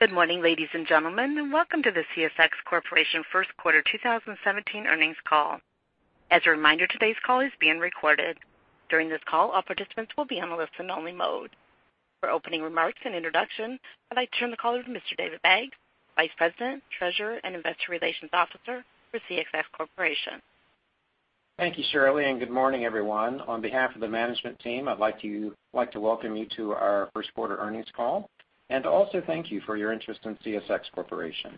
Good morning, ladies and gentlemen, and welcome to the CSX Corporation First Quarter 2017 Earnings Call. As a reminder, today's call is being recorded. During this call, all participants will be on a listen-only mode. For opening remarks and introduction, I'd like to turn the call over to Mr. David Baggs, Vice President, Treasurer, and Investor Relations Officer for CSX Corporation. Thank you, Shirley, and good morning, everyone. On behalf of the management team, I'd like to welcome you to our first quarter earnings call, and also thank you for your interest in CSX Corporation.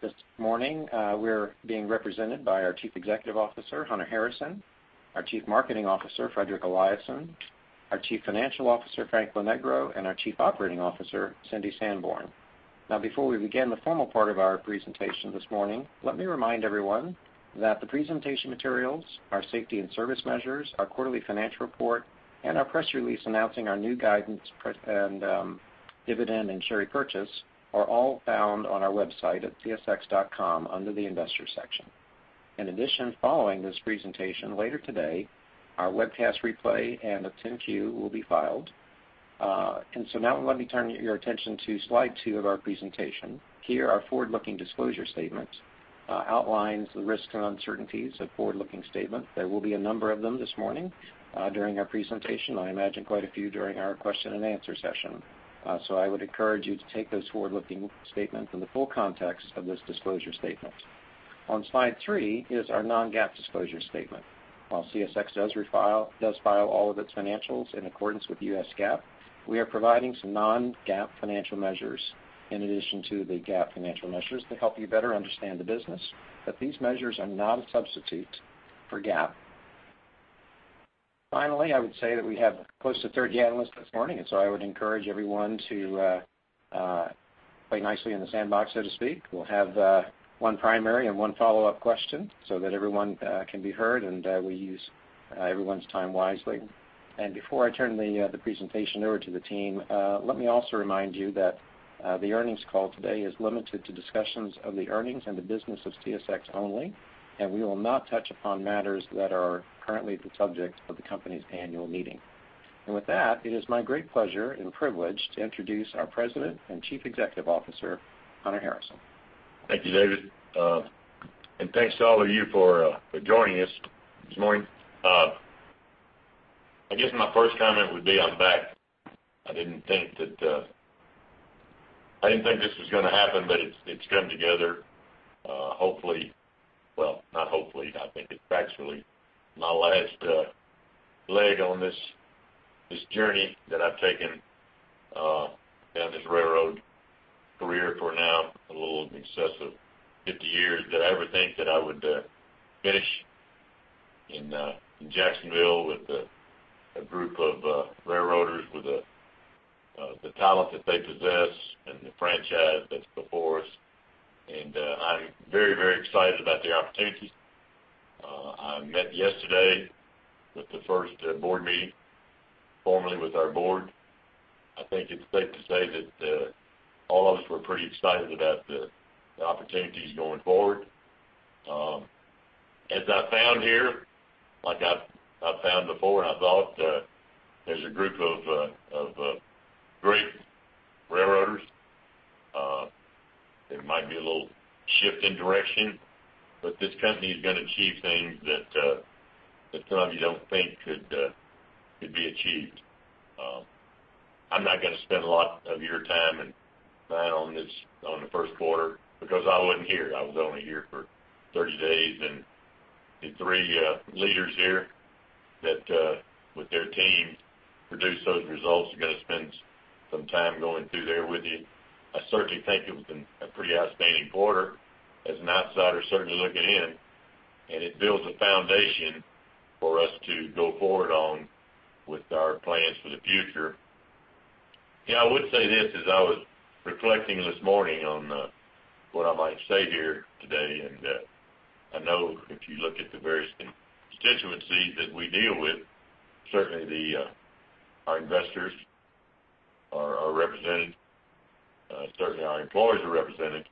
This morning, we're being represented by our Chief Executive Officer, Hunter Harrison, our Chief Marketing Officer, Fredrik Eliasson, our Chief Financial Officer, Frank Lonegro, and our Chief Operating Officer, Cindy Sanborn. Now, before we begin the formal part of our presentation this morning, let me remind everyone that the presentation materials, our safety and service measures, our quarterly financial report, and our press release announcing our new guidance press and, dividend and share repurchase, are all found on our website at csx.com under the Investors section. In addition, following this presentation, later today, our webcast replay and the 10-Q will be filed. And so now let me turn your attention to Slide 2 of our presentation. Here, our forward-looking disclosure statement outlines the risks and uncertainties of forward-looking statement. There will be a number of them this morning, during our presentation, and I imagine quite a few during our question and answer session. So I would encourage you to take those forward-looking statements in the full context of this disclosure statement. On Slide 3 is our non-GAAP disclosure statement. While CSX does file all of its financials in accordance with the U.S. GAAP, we are providing some non-GAAP financial measures in addition to the GAAP financial measures to help you better understand the business, but these measures are not a substitute for GAAP. Finally, I would say that we have close to 30 analysts this morning, and so I would encourage everyone to play nicely in the sandbox, so to speak. We'll have one primary and one follow-up question so that everyone can be heard, and we use everyone's time wisely. And before I turn the presentation over to the team, let me also remind you that the earnings call today is limited to discussions of the earnings and the business of CSX only, and we will not touch upon matters that are currently the subject of the company's annual meeting. And with that, it is my great pleasure and privilege to introduce our President and Chief Executive Officer, Hunter Harrison. Thank you, David. And thanks to all of you for joining us this morning. I guess my first comment would be, I'm back. I didn't think that I didn't think this was gonna happen, but it's come together. Hopefully, well, not hopefully, I think it's actually my last leg on this journey that I've taken down this railroad career for now, a little in excess of 50 years, that I ever think that I would finish in Jacksonville with a group of railroaders with the talent that they possess and the franchise that's before us. And I'm very, very excited about the opportunities. I met yesterday with the first board meeting, formally with our board. I think it's safe to say that all of us were pretty excited about the opportunities going forward. As I found here, like I've found before, and I thought there's a group of great railroaders. It might be a little shift in direction, but this company is gonna achieve things that sometimes you don't think could be achieved. I'm not gonna spend a lot of your time and mine on this, on the first quarter because I wasn't here. I was only here for 30 days, and the three leaders here that with their team produced those results are gonna spend some time going through there with you. I certainly think it was a pretty outstanding quarter as an outsider, certainly looking in, and it builds a foundation for us to go forward on with our plans for the future. Yeah, I would say this, as I was reflecting this morning on what I might say here today, and I know if you look at the various constituencies that we deal with, certainly our investors are represented, certainly our employees are represented.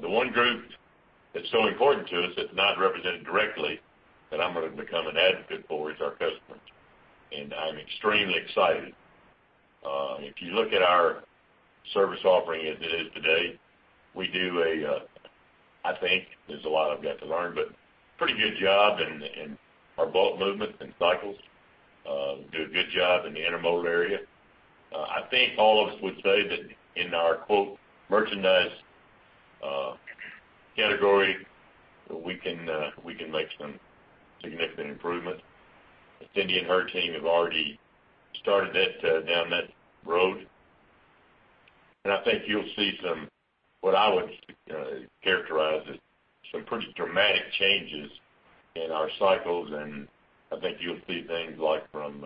The one group that's so important to us that's not represented directly, that I'm gonna become an advocate for, is our customers. And I'm extremely excited. If you look at our service offering as it is today, we do a I think there's a lot I've got to learn, but pretty good job in our bulk movement and cycles. We do a good job in the intermodal area. I think all of us would say that in our "merchandise" category, we can make some significant improvements. Cindy and her team have already started that down that road. I think you'll see some, what I would characterize as some pretty dramatic changes in our cycles, and I think you'll see things like from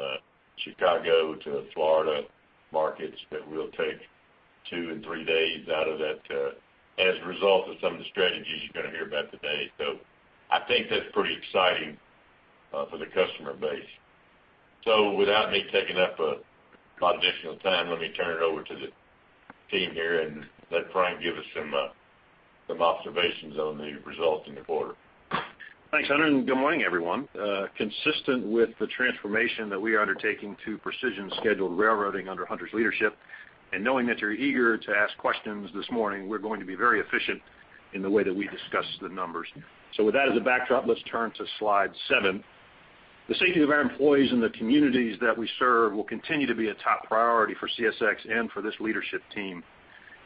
Chicago to Florida markets, that we'll take 2 and 3 days out of that as a result of some of the strategies you're gonna hear about today. I think that's pretty exciting for the customer base. Without me taking up a lot additional time, let me turn it over to the team here and let Frank give us some observations on the results in the quarter.... Thanks, Hunter, and good morning, everyone. Consistent with the transformation that we are undertaking to Precision Scheduled Railroading under Hunter's leadership, and knowing that you're eager to ask questions this morning, we're going to be very efficient in the way that we discuss the numbers. So with that as a backdrop, let's turn to slide 7. The safety of our employees and the communities that we serve will continue to be a top priority for CSX and for this leadership team.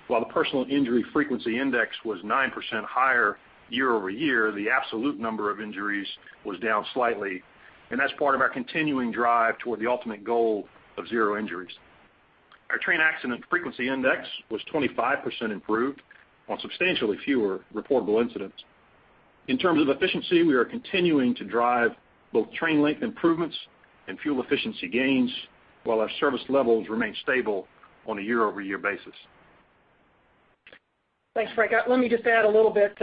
While the Personal Injury Frequency Index was 9% higher year-over-year, the absolute number of injuries was down slightly, and that's part of our continuing drive toward the ultimate goal of zero injuries. Our Train Accident Frequency Index was 25% improved on substantially fewer reportable incidents. In terms of efficiency, we are continuing to drive both train length improvements and fuel efficiency gains, while our service levels remain stable on a year-over-year basis. Thanks, Frank. Let me just add a little bit.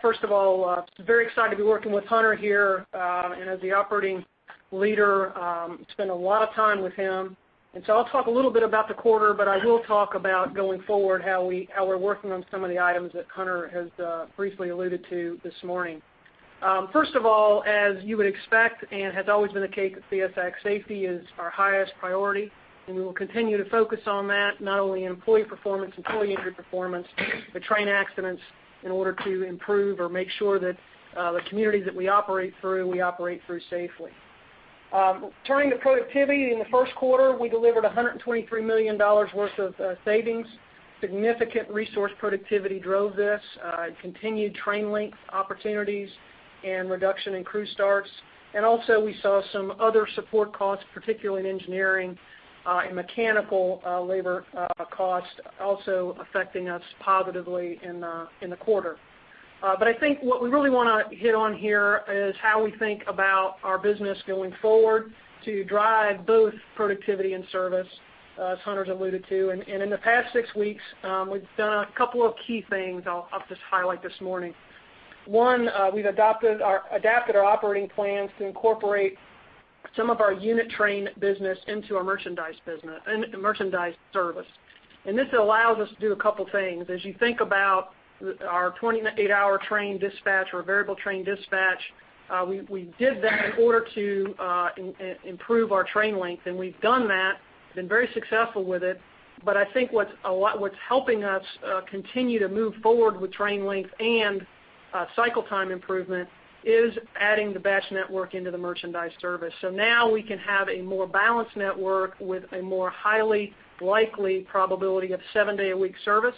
First of all, very excited to be working with Hunter here, and as the operating leader, spend a lot of time with him. And so I'll talk a little bit about the quarter, but I will talk about going forward, how we're working on some of the items that Hunter has briefly alluded to this morning. First of all, as you would expect, and has always been the case at CSX, safety is our highest priority, and we will continue to focus on that, not only in employee performance, employee injury performance, but train accidents in order to improve or make sure that the communities that we operate through, we operate through safely. Turning to productivity, in the first quarter, we delivered $123 million worth of savings. Significant resource productivity drove this, and continued train length opportunities and reduction in crew starts. Also, we saw some other support costs, particularly in engineering, and mechanical, labor, costs also affecting us positively in the quarter. But I think what we really want to hit on here is how we think about our business going forward to drive both productivity and service, as Hunter's alluded to. And in the past six weeks, we've done a couple of key things I'll just highlight this morning. One, we've adapted our operating plans to incorporate some of our unit train business into our merchandise business, in merchandise service. And this allows us to do a couple things. As you think about our 28-hour train dispatch or variable train dispatch, we did that in order to improve our train length, and we've done that, been very successful with it. But I think what's helping us continue to move forward with train length and cycle time improvement is adding the batch network into the merchandise service. So now we can have a more balanced network with a more highly likely probability of seven-day-a-week service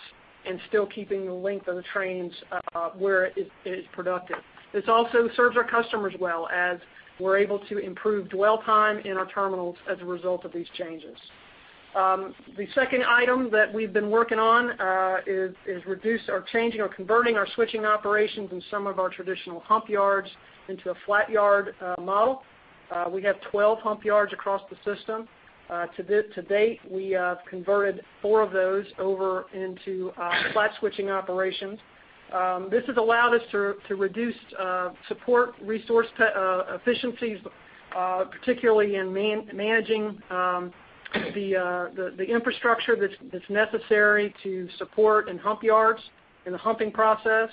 and still keeping the length of the trains where it is, is productive. This also serves our customers well as we're able to improve dwell time in our terminals as a result of these changes. The second item that we've been working on is reduce or changing or converting our switching operations in some of our traditional hump yards into a flat yard model. We have 12 hump yards across the system. To date, we have converted 4 of those over into flat switching operations. This has allowed us to reduce support resource efficiencies, particularly in managing the infrastructure that's necessary to support in hump yards, in the humping process,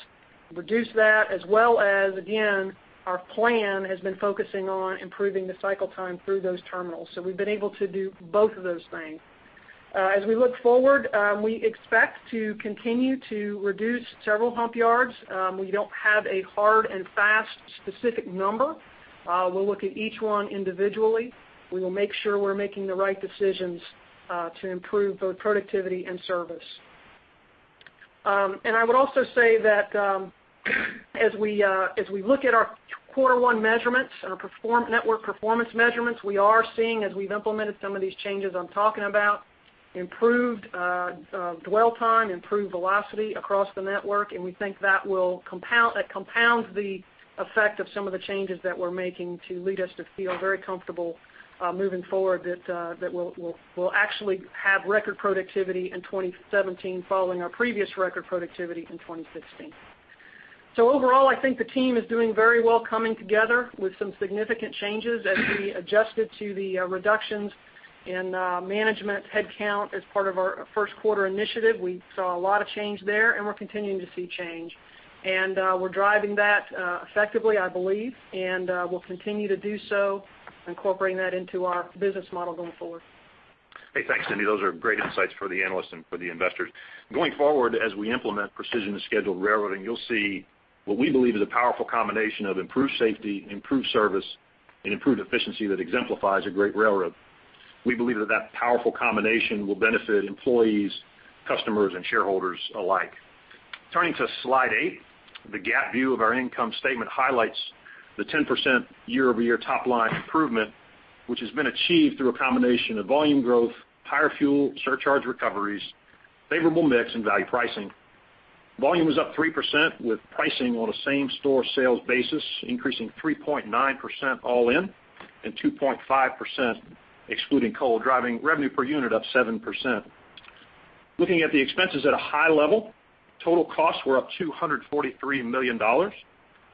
reduce that, as well as, again, our plan has been focusing on improving the cycle time through those terminals. So we've been able to do both of those things. As we look forward, we expect to continue to reduce several hump yards. We don't have a hard and fast specific number. We'll look at each one individually. We will make sure we're making the right decisions to improve both productivity and service. And I would also say that, as we look at our quarter one measurements, our network performance measurements, we are seeing, as we've implemented some of these changes I'm talking about, improved dwell time, improved velocity across the network, and we think that will compound, that compounds the effect of some of the changes that we're making to lead us to feel very comfortable moving forward, that we'll actually have record productivity in 2017, following our previous record productivity in 2016. So overall, I think the team is doing very well coming together with some significant changes as we adjusted to the reductions in management headcount as part of our first quarter initiative. We saw a lot of change there, and we're continuing to see change. We're driving that effectively, I believe, and we'll continue to do so, incorporating that into our business model going forward. Hey, thanks, Cindy. Those are great insights for the analysts and for the investors. Going forward, as we implement Precision Scheduled Railroading, you'll see what we believe is a powerful combination of improved safety, improved service, and improved efficiency that exemplifies a great railroad. We believe that that powerful combination will benefit employees, customers, and shareholders alike. Turning to slide 8, the GAAP view of our income statement highlights the 10% year-over-year top line improvement, which has been achieved through a combination of volume growth, higher fuel surcharge recoveries, favorable mix and value pricing. Volume is up 3%, with pricing on a same-store sales basis, increasing 3.9% all in, and 2.5%, excluding coal, driving revenue per unit up 7%. Looking at the expenses at a high level, total costs were up $243 million,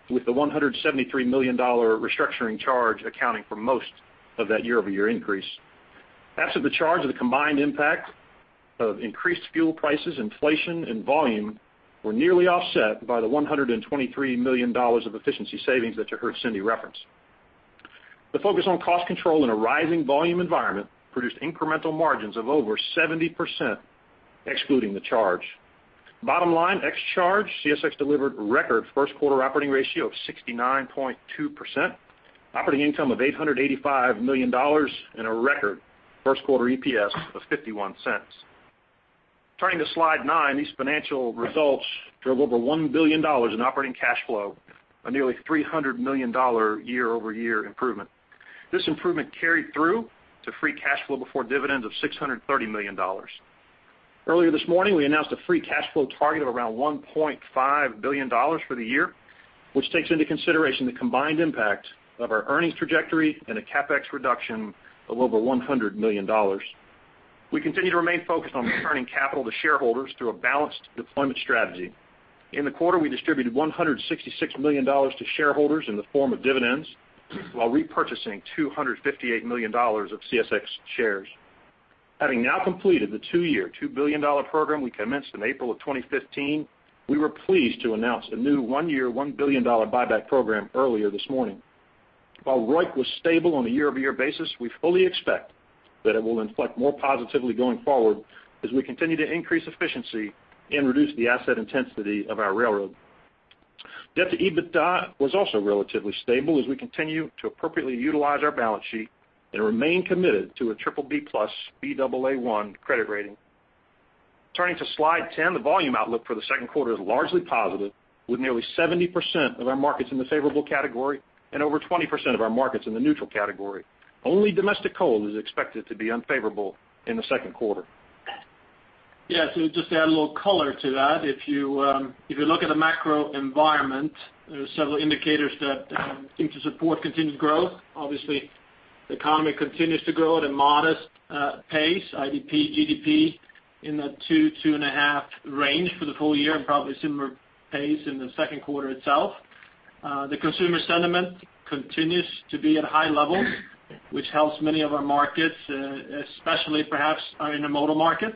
with the $173 million restructuring charge accounting for most of that year-over-year increase. After the charge, the combined impact of increased fuel prices, inflation, and volume were nearly offset by the $123 million of efficiency savings that you heard Cindy reference. The focus on cost control in a rising volume environment produced incremental margins of over 70%, excluding the charge. Bottom line, ex charge, CSX delivered record first quarter operating ratio of 69.2%, operating income of $885 million, and a record first quarter EPS of $0.51. Turning to Slide 9, these financial results drove over $1 billion in operating cash flow, a nearly $300 million year-over-year improvement. This improvement carried through to free cash flow before dividends of $630 million. Earlier this morning, we announced a free cash flow target of around $1.5 billion for the year, which takes into consideration the combined impact of our earnings trajectory and a CapEx reduction of over $100 million. We continue to remain focused on returning capital to shareholders through a balanced deployment strategy. In the quarter, we distributed $166 million to shareholders in the form of dividends, while repurchasing $258 million of CSX shares. Having now completed the two-year, $2 billion program we commenced in April of 2015, we were pleased to announce a new one-year, $1 billion buyback program earlier this morning. While ROIC was stable on a year-over-year basis, we fully expect that it will inflect more positively going forward as we continue to increase efficiency and reduce the asset intensity of our railroad. Debt to EBITDA was also relatively stable as we continue to appropriately utilize our balance sheet and remain committed to a BBB+, Baa1 credit rating. Turning to Slide 10, the volume outlook for the second quarter is largely positive, with nearly 70% of our markets in the favorable category and over 20% of our markets in the neutral category. Only domestic coal is expected to be unfavorable in the second quarter. Yeah, so just to add a little color to that, if you, if you look at the macro environment, there are several indicators that seem to support continued growth. Obviously, the economy continues to grow at a modest pace, GDP in the 2-2.5 range for the full year, and probably similar pace in the second quarter itself. The consumer sentiment continues to be at high levels, which helps many of our markets, especially perhaps in the modal market.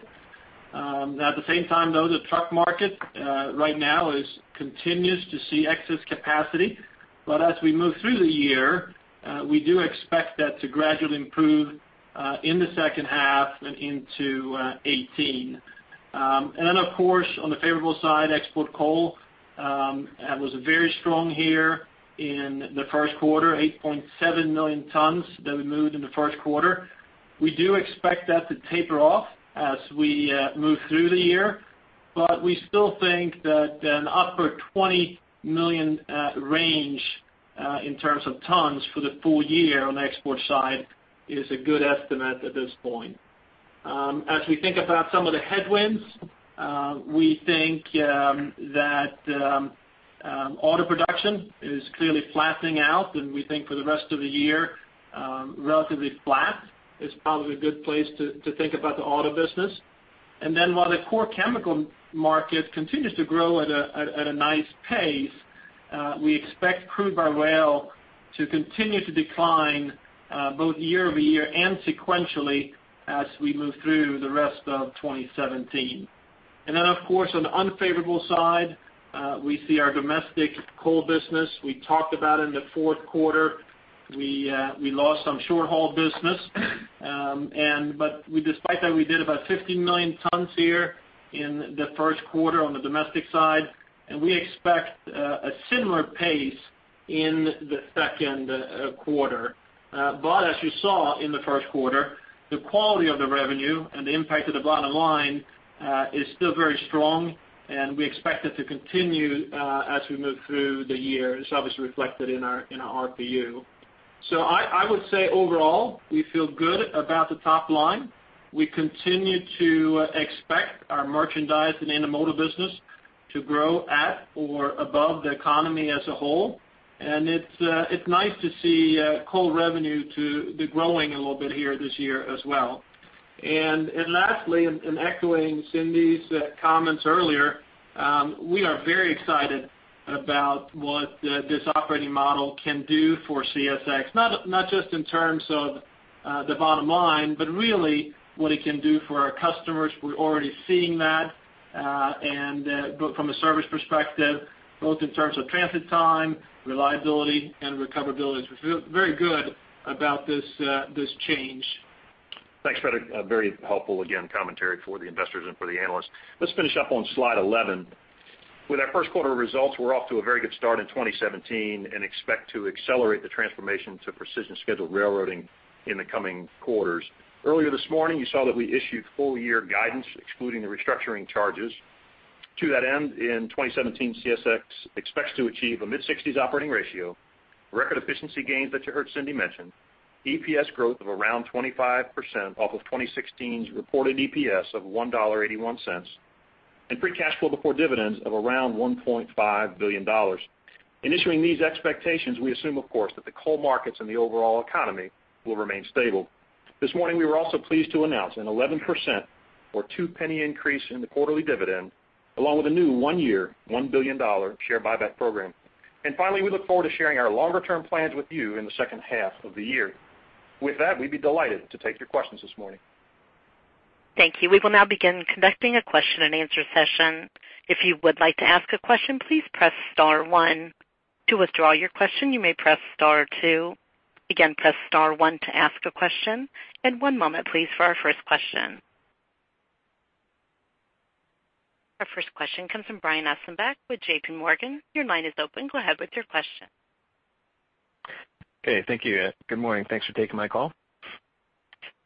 At the same time, though, the truck market right now is continues to see excess capacity. But as we move through the year, we do expect that to gradually improve in the second half and into 2018. And then, of course, on the favorable side, export coal was very strong here in the first quarter, 8.7 million tons that we moved in the first quarter. We do expect that to taper off as we move through the year, but we still think that an upper 20 million range in terms of tons for the full year on the export side is a good estimate at this point. As we think about some of the headwinds, we think that auto production is clearly flattening out, and we think for the rest of the year, relatively flat is probably a good place to think about the auto business. Then while the core chemical market continues to grow at a nice pace, we expect crude by rail to continue to decline, both year-over-year and sequentially as we move through the rest of 2017. Then, of course, on the unfavorable side, we see our domestic coal business. We talked about in the fourth quarter, we lost some short-haul business, and but we—despite that, we did about 50 million tons here in the first quarter on the domestic side, and we expect a similar pace in the second quarter. But as you saw in the first quarter, the quality of the revenue and the impact of the bottom line is still very strong, and we expect it to continue as we move through the year. It's obviously reflected in our, in our RPU. So I, I would say overall, we feel good about the top line. We continue to expect our merchandise and intermodal business to grow at or above the economy as a whole, and it's nice to see coal revenue to be growing a little bit here this year as well. And echoing Cindy's comments earlier, we are very excited about what this operating model can do for CSX, not just in terms of the bottom line, but really what it can do for our customers. We're already seeing that, and but from a service perspective, both in terms of transit time, reliability, and recoverability. We feel very good about this change. Thanks, Fredrik. A very helpful, again, commentary for the investors and for the analysts. Let's finish up on Slide 11. With our first quarter results, we're off to a very good start in 2017 and expect to accelerate the transformation to Precision Scheduled Railroading in the coming quarters. Earlier this morning, you saw that we issued full-year guidance, excluding the restructuring charges. To that end, in 2017, CSX expects to achieve a mid-60s operating ratio, record efficiency gains that you heard Cindy mention, EPS growth of around 25% off of 2016's reported EPS of $1.81, and free cash flow before dividends of around $1.5 billion. In issuing these expectations, we assume, of course, that the coal markets and the overall economy will remain stable. This morning, we were also pleased to announce an 11% or $0.02 increase in the quarterly dividend.... along with a new 1-year, $1 billion share buyback program. Finally, we look forward to sharing our longer-term plans with you in the second half of the year. With that, we'd be delighted to take your questions this morning. Thank you. We will now begin conducting a question-and-answer session. If you would like to ask a question, please press star one. To withdraw your question, you may press star two. Again, press star one to ask a question, and one moment, please, for our first question. Our first question comes from Brian Ossenbeck with J.P. Morgan. Your line is open. Go ahead with your question. Okay, thank you. Good morning. Thanks for taking my call.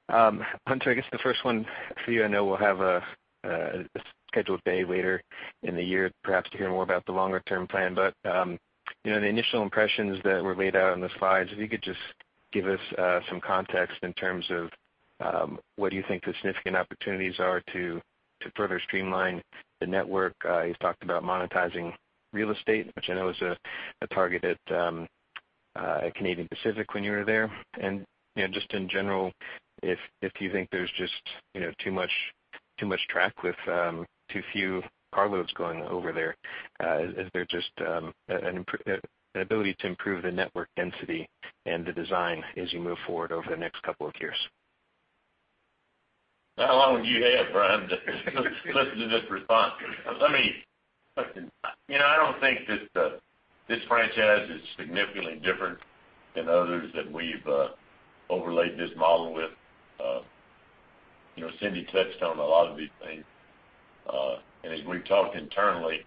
Hunter, I guess the first one for you, I know we'll have a scheduled day later in the year, perhaps to hear more about the longer-term plan. But, you know, the initial impressions that were laid out on the slides, if you could just give us some context in terms of what do you think the significant opportunities are to further streamline the network? You've talked about monetizing real estate, which I know is a target at Canadian Pacific when you were there. You know, just in general, if you think there's just, you know, too much, too much track with too few car loads going over there, is there just an ability to improve the network density and the design as you move forward over the next couple of years? How long do you have, Brian? Listen to this response. Let me, you know, I don't think that this franchise is significantly different than others that we've overlaid this model with. You know, Cindy touched on a lot of these things, and as we've talked internally,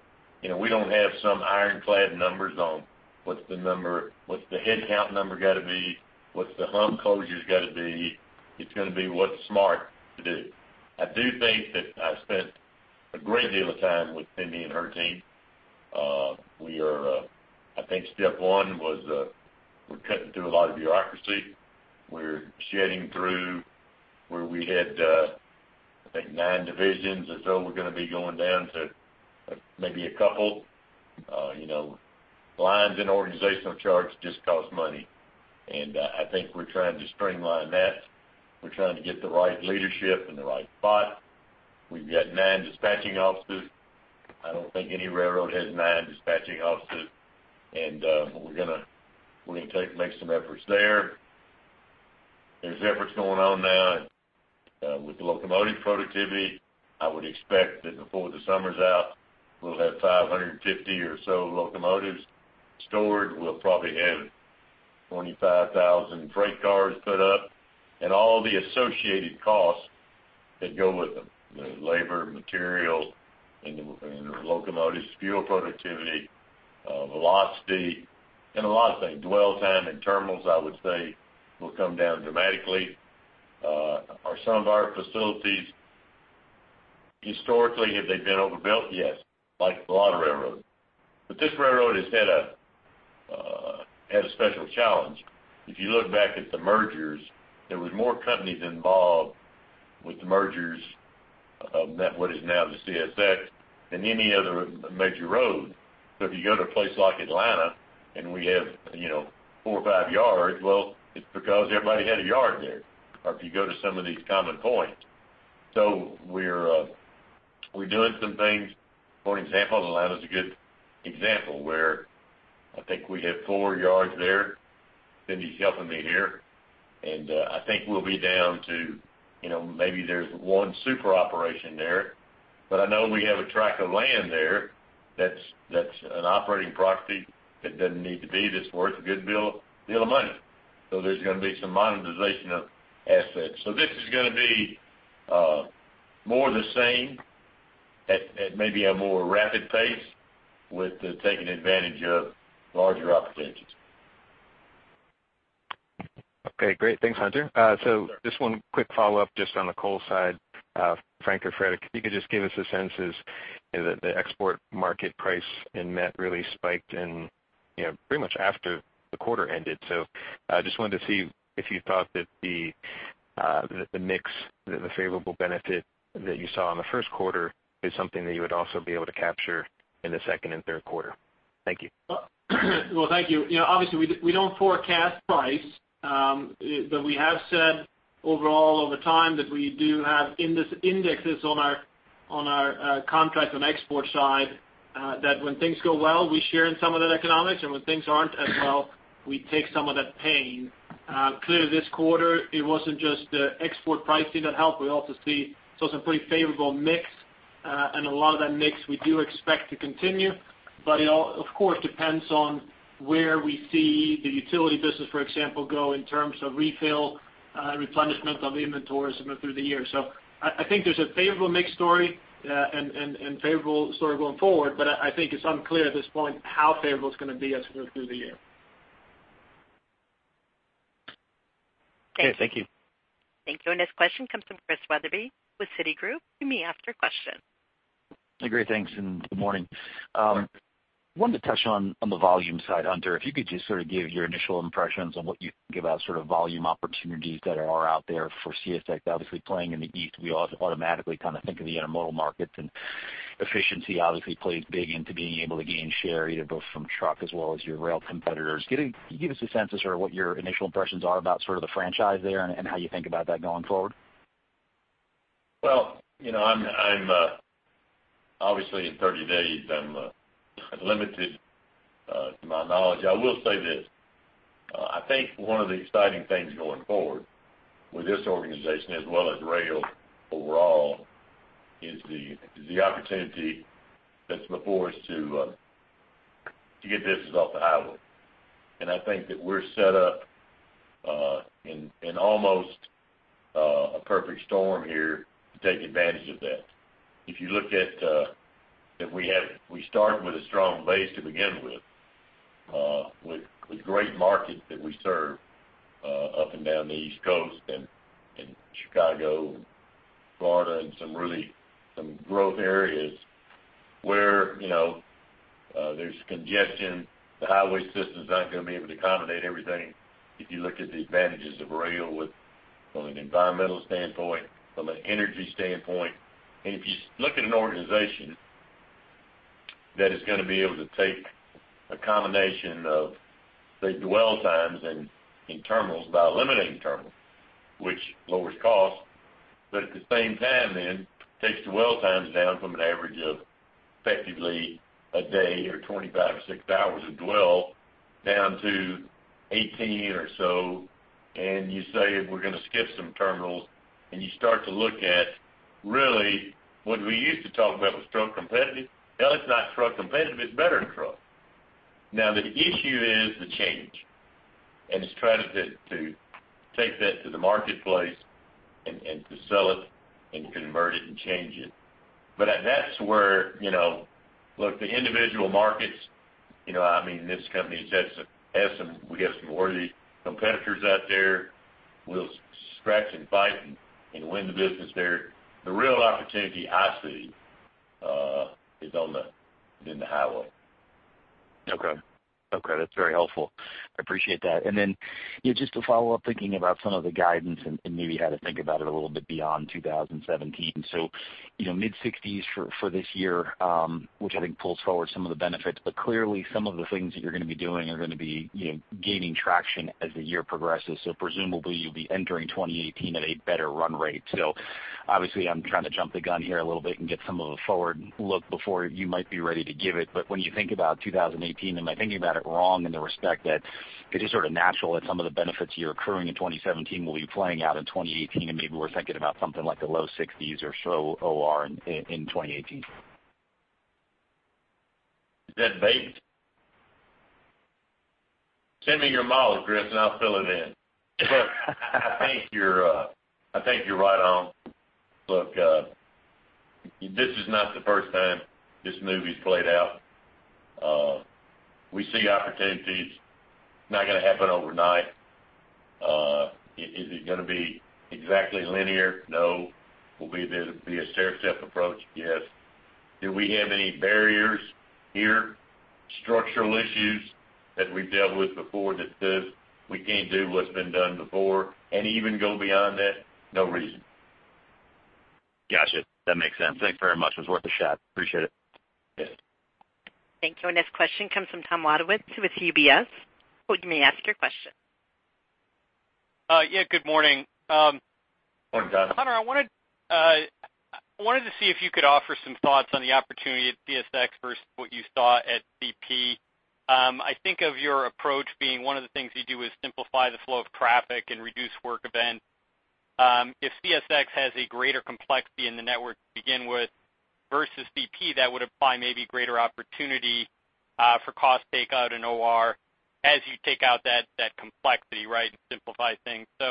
you know, we don't have some ironclad numbers on what's the number, what's the headcount number got to be? What's the hub closures got to be? It's going to be what's smart to do. I do think that I spent a great deal of time with Cindy and her team. We are, I think step one was, we're cutting through a lot of bureaucracy. We're shedding through where we had, I think nine divisions or so, we're going to be going down to maybe a couple, you know, lines in organizational charts just cost money, and I think we're trying to streamline that. We're trying to get the right leadership in the right spot. We've got nine dispatching offices. I don't think any railroad has nine dispatching offices, and we're going to make some efforts there. There's efforts going on now with the locomotive productivity. I would expect that before the summer's out, we'll have 550 or so locomotives stored. We'll probably have 25,000 freight cars put up and all the associated costs that go with them, the labor, material, and the locomotives, fuel productivity, velocity, and a lot of things. Dwell time in terminals, I would say, will come down dramatically. Are some of our facilities... Historically, have they been overbuilt? Yes, like a lot of railroads. But this railroad has had a, had a special challenge. If you look back at the mergers, there was more companies involved with the mergers of what is now the CSX than any other major road. So if you go to a place like Atlanta and we have, you know, 4 or 5 yards, well, it's because everybody had a yard there, or if you go to some of these common points. So we're, we're doing some things. For example, Atlanta is a good example where I think we have 4 yards there. Cindy's helping me here, and I think we'll be down to, you know, maybe there's one super operation there, but I know we have a tract of land there that's an operating property that doesn't need to be, that's worth a good deal of money. So there's going to be some monetization of assets. So this is going to be more the same at maybe a more rapid pace with the taking advantage of larger opportunities. Okay, great. Thanks, Hunter. Sure. So just one quick follow-up just on the coal side. Frank or Fredrik, if you could just give us a sense as, you know, the export market price in met really spiked and, you know, pretty much after the quarter ended. So I just wanted to see if you thought that the mix, the favorable benefit that you saw in the first quarter is something that you would also be able to capture in the second and third quarter. Thank you. Well, thank you. You know, obviously, we don't forecast price, but we have said overall, over time, that we do have industry indexes on our contract on export side, that when things go well, we share in some of that economics, and when things aren't as well, we take some of that pain. Clearly, this quarter, it wasn't just the export pricing that helped. We also saw some pretty favorable mix, and a lot of that mix we do expect to continue, but it all, of course, depends on where we see the utility business, for example, go in terms of refill, replenishment of inventories through the year. So I think there's a favorable mix story, and favorable story going forward, but I think it's unclear at this point how favorable it's going to be as we go through the year. Okay. Thank you. Thank you. Our next question comes from Chris Wetherbee with Citigroup. You may ask your question. Great, thanks, and good morning. Wanted to touch on the volume side, Hunter. If you could just sort of give your initial impressions on what you think about sort of volume opportunities that are out there for CSX. Obviously, playing in the East, we automatically kind of think of the intermodal markets, and efficiency obviously plays big into being able to gain share, either both from truck as well as your rail competitors. Give us a sense of sort of what your initial impressions are about sort of the franchise there and how you think about that going forward? ...Well, you know, I'm obviously, in 30 days, I'm limited to my knowledge. I will say this, I think one of the exciting things going forward with this organization, as well as rail overall, is the opportunity that's before us to get business off the highway. And I think that we're set up in almost a perfect storm here to take advantage of that. If you look at that we had, we started with a strong base to begin with, with great markets that we serve up and down the East Coast and Chicago, Florida, and some really growth areas where, you know, there's congestion, the highway system is not going to be able to accommodate everything. If you look at the advantages of rail with, from an environmental standpoint, from an energy standpoint, and if you look at an organization that is going to be able to take a combination of the dwell times and in terminals by eliminating terminals, which lowers costs, but at the same time, then takes the dwell times down from an average of effectively a day or 25-6 hours of dwell down to 18 or so. You say, we're going to skip some terminals, and you start to look at, really, what we used to talk about was truck competitive. Now, it's not truck competitive, it's better than truck. Now, the issue is the change, and it's trying to, to take that to the marketplace and, and to sell it and convert it and change it. But that's where, you know... Look, the individual markets, you know, I mean, this company has had some, has some, we got some worthy competitors out there. We'll scratch and fight and win the business there. The real opportunity I see is on the, in the highway. Okay. Okay, that's very helpful. I appreciate that. And then, just to follow up, thinking about some of the guidance and, and maybe how to think about it a little bit beyond 2017. So, you know, mid-60s for, for this year, which I think pulls forward some of the benefits, but clearly, some of the things that you're going to be doing are going to be, you know, gaining traction as the year progresses. So presumably, you'll be entering 2018 at a better run rate. So obviously, I'm trying to jump the gun here a little bit and get some of the forward look before you might be ready to give it. But when you think about 2018, am I thinking about it wrong in the respect that it is sort of natural that some of the benefits you're accruing in 2017 will be playing out in 2018, and maybe we're thinking about something like the low 60s or so OR in 2018? Is that bait? Send me your model, Chris, and I'll fill it in. But I think you're, I think you're right on. Look, this is not the first time this movie's played out. We see opportunities. Not going to happen overnight. Is it going to be exactly linear? No. Will it be a stair-step approach? Yes. Do we have any barriers here, structural issues that we've dealt with before that says we can't do what's been done before and even go beyond that? No reason. Gotcha. That makes sense. Thank you very much. It was worth a shot. Appreciate it. Yes. Thank you. Our next question comes from Tom Wadewitz with UBS. You may ask your question. Yeah, good morning. Morning, Tom. Hunter, I wanted, I wanted to see if you could offer some thoughts on the opportunity at CSX versus what you saw at CP. I think of your approach being one of the things you do is simplify the flow of traffic and reduce work event. If CSX has a greater complexity in the network to begin with versus CP, that would apply maybe greater opportunity, for cost takeout and OR as you take out that, that complexity, right, and simplify things. So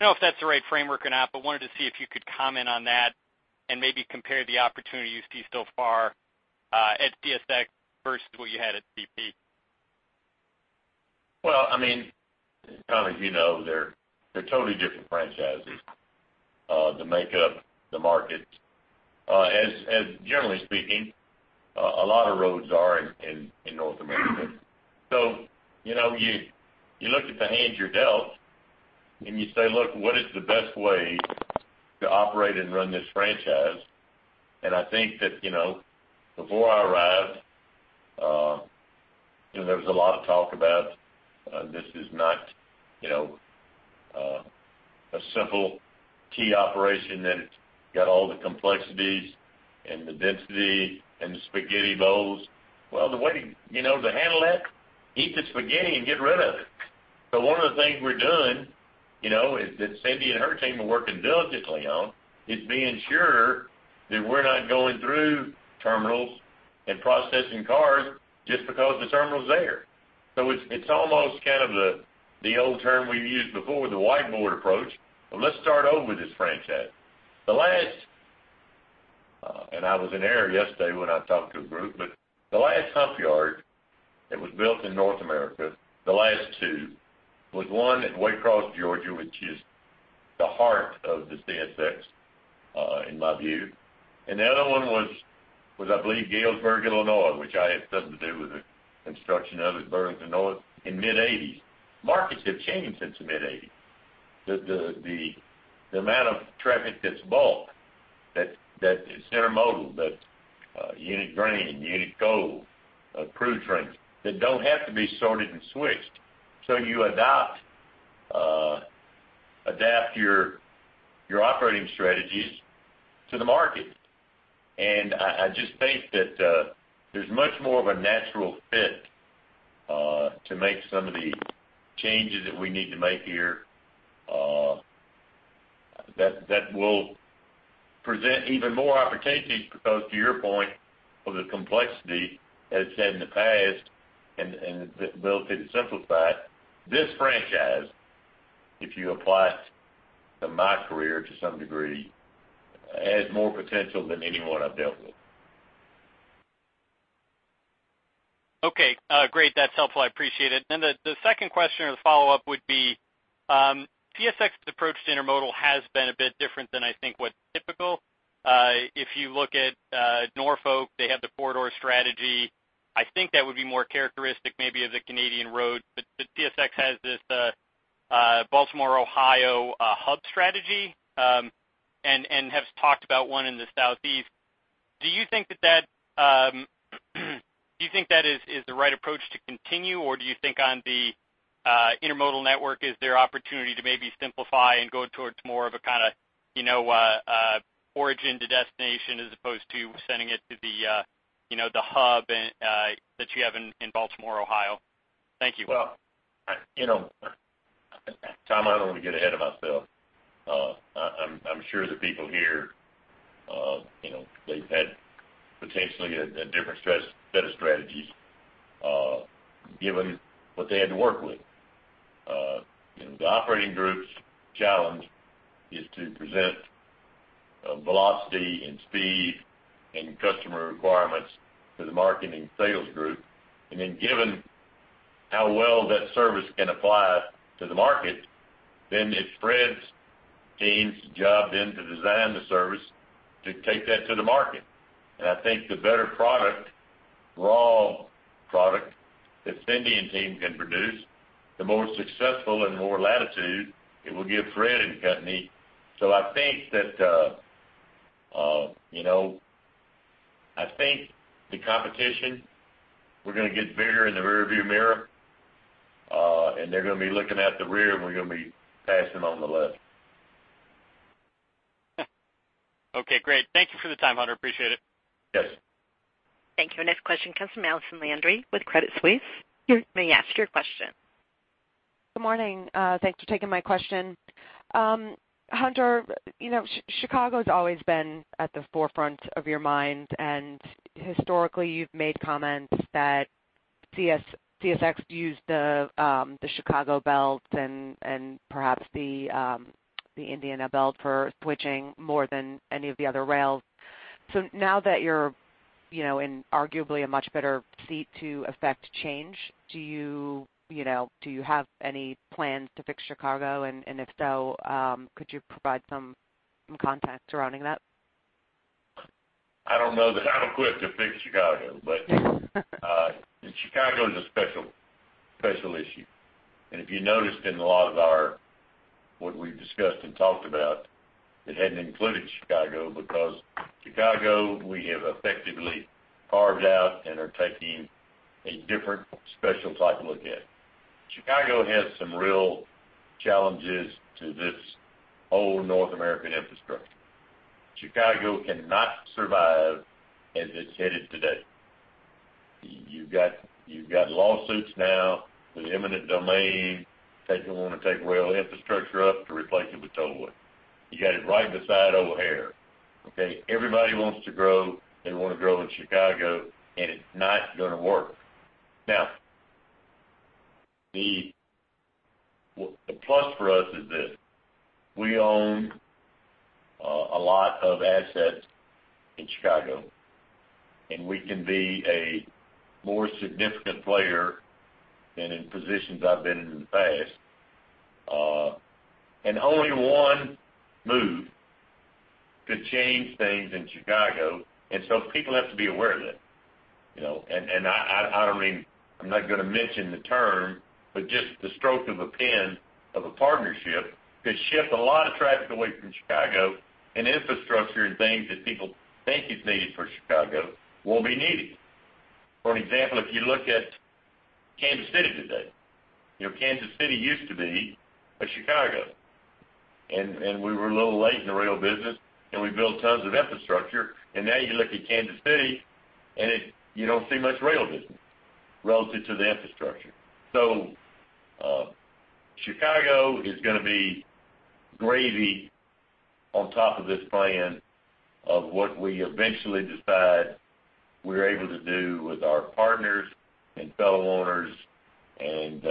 I don't know if that's the right framework or not, but wanted to see if you could comment on that and maybe compare the opportunity you see so far, at CSX versus what you had at CP. Well, I mean, Tom, as you know, they're totally different franchises. The makeup, the markets, as generally speaking, a lot of roads are in North America. So, you know, you look at the hand you're dealt, and you say: Look, what is the best way to operate and run this franchise? And I think that, you know, before I arrived, you know, there was a lot of talk about this is not, you know, a simple key operation, that it's got all the complexities and the density and the spaghetti bowls. Well, the way, you know, to handle that, eat the spaghetti and get rid of it. So one of the things we're doing, you know, is that Cindy and her team are working diligently on, is being sure that we're not going through terminals and processing cars just because the terminal is there. So it's almost kind of the old term we've used before, the whiteboard approach. But let's start over with this franchise. The last, and I was in error yesterday when I talked to a group, but the last hump yard that was built in North America, the last two, was one at Waycross, Georgia, which is the heart of the CSX in my view. And the other one was, I believe, Galesburg, Illinois, which I had something to do with the construction of it for Burlington Northern in the mid-1980s. Markets have changed since the mid-1980s. The amount of traffic that's bulk, that is intermodal, that-... Unit grain, unit coal, crude trains that don't have to be sorted and switched. So you adapt your operating strategies to the market. And I just think that there's much more of a natural fit to make some of the changes that we need to make here. That will present even more opportunities, because to your point, for the complexity, as said in the past, and the ability to simplify it, this franchise, if you apply from my career to some degree, has more potential than any one I've dealt with. Okay, great. That's helpful. I appreciate it. Then the second question or the follow-up would be, CSX's approach to intermodal has been a bit different than I think what's typical. If you look at Norfolk, they have the Corridor strategy. I think that would be more characteristic maybe of the Canadian road, but CSX has this Baltimore and Ohio hub strategy, and has talked about one in the Southeast. Do you think that is the right approach to continue, or do you think on the intermodal network, is there opportunity to maybe simplify and go towards more of a kinda, you know, origin to destination, as opposed to sending it to the, you know, the hub and that you have in Baltimore and Ohio? Thank you. Well, you know, Tom, I don't want to get ahead of myself. I'm sure the people here, you know, they've had potentially a different set of strategies, given what they had to work with. You know, the operating group's challenge is to present velocity and speed and customer requirements to the marketing sales group. And then given how well that service can apply to the market, then it spreads team's job then to design the service to take that to the market. And I think the better product, raw product, that Cindy and team can produce, the more successful and more latitude it will give Fred and company. So I think that, you know, I think the competition, we're gonna get bigger in the rearview mirror, and they're gonna be looking at the rear, and we're gonna be passing them on the left. Okay, great. Thank you for the time, Hunter. Appreciate it. Yes. Thank you. Our next question comes from Allison Landry with Credit Suisse. You may ask your question. Good morning. Thanks for taking my question. Hunter, you know, Chicago has always been at the forefront of your mind, and historically, you've made comments that CSX used the Chicago Belt and perhaps the Indiana Belt for switching more than any of the other rails. So now that you're, you know, in arguably a much better seat to affect change, do you, you know, do you have any plans to fix Chicago? And if so, could you provide some context surrounding that? I don't know that I'm equipped to fix Chicago, and Chicago is a special, special issue. If you noticed in a lot of our, what we've discussed and talked about, it hadn't included Chicago, because Chicago, we have effectively carved out and are taking a different, special type of look at. Chicago has some real challenges to this old North American infrastructure. Chicago cannot survive as it's headed today. You've got, you've got lawsuits now with eminent domain, taking, wanting to take rail infrastructure up to replace it with tollway. You got it right beside O'Hare, okay? Everybody wants to grow, they want to grow in Chicago, and it's not gonna work. Now, the plus for us is this: we own a lot of assets in Chicago, and we can be a more significant player than in positions I've been in the past. And only one move could change things in Chicago, and so people have to be aware of that, you know? And I don't mean... I'm not gonna mention the term, but just the stroke of a pen of a partnership could shift a lot of traffic away from Chicago, and infrastructure and things that people think is needed for Chicago won't be needed. For example, if you look at Kansas City today, you know, Kansas City used to be a Chicago. And we were a little late in the rail business, and we built tons of infrastructure, and now you look at Kansas City, and it, you don't see much rail business relative to the infrastructure. So, Chicago is gonna be gravy on top of this plan of what we eventually decide we're able to do with our partners and fellow owners and,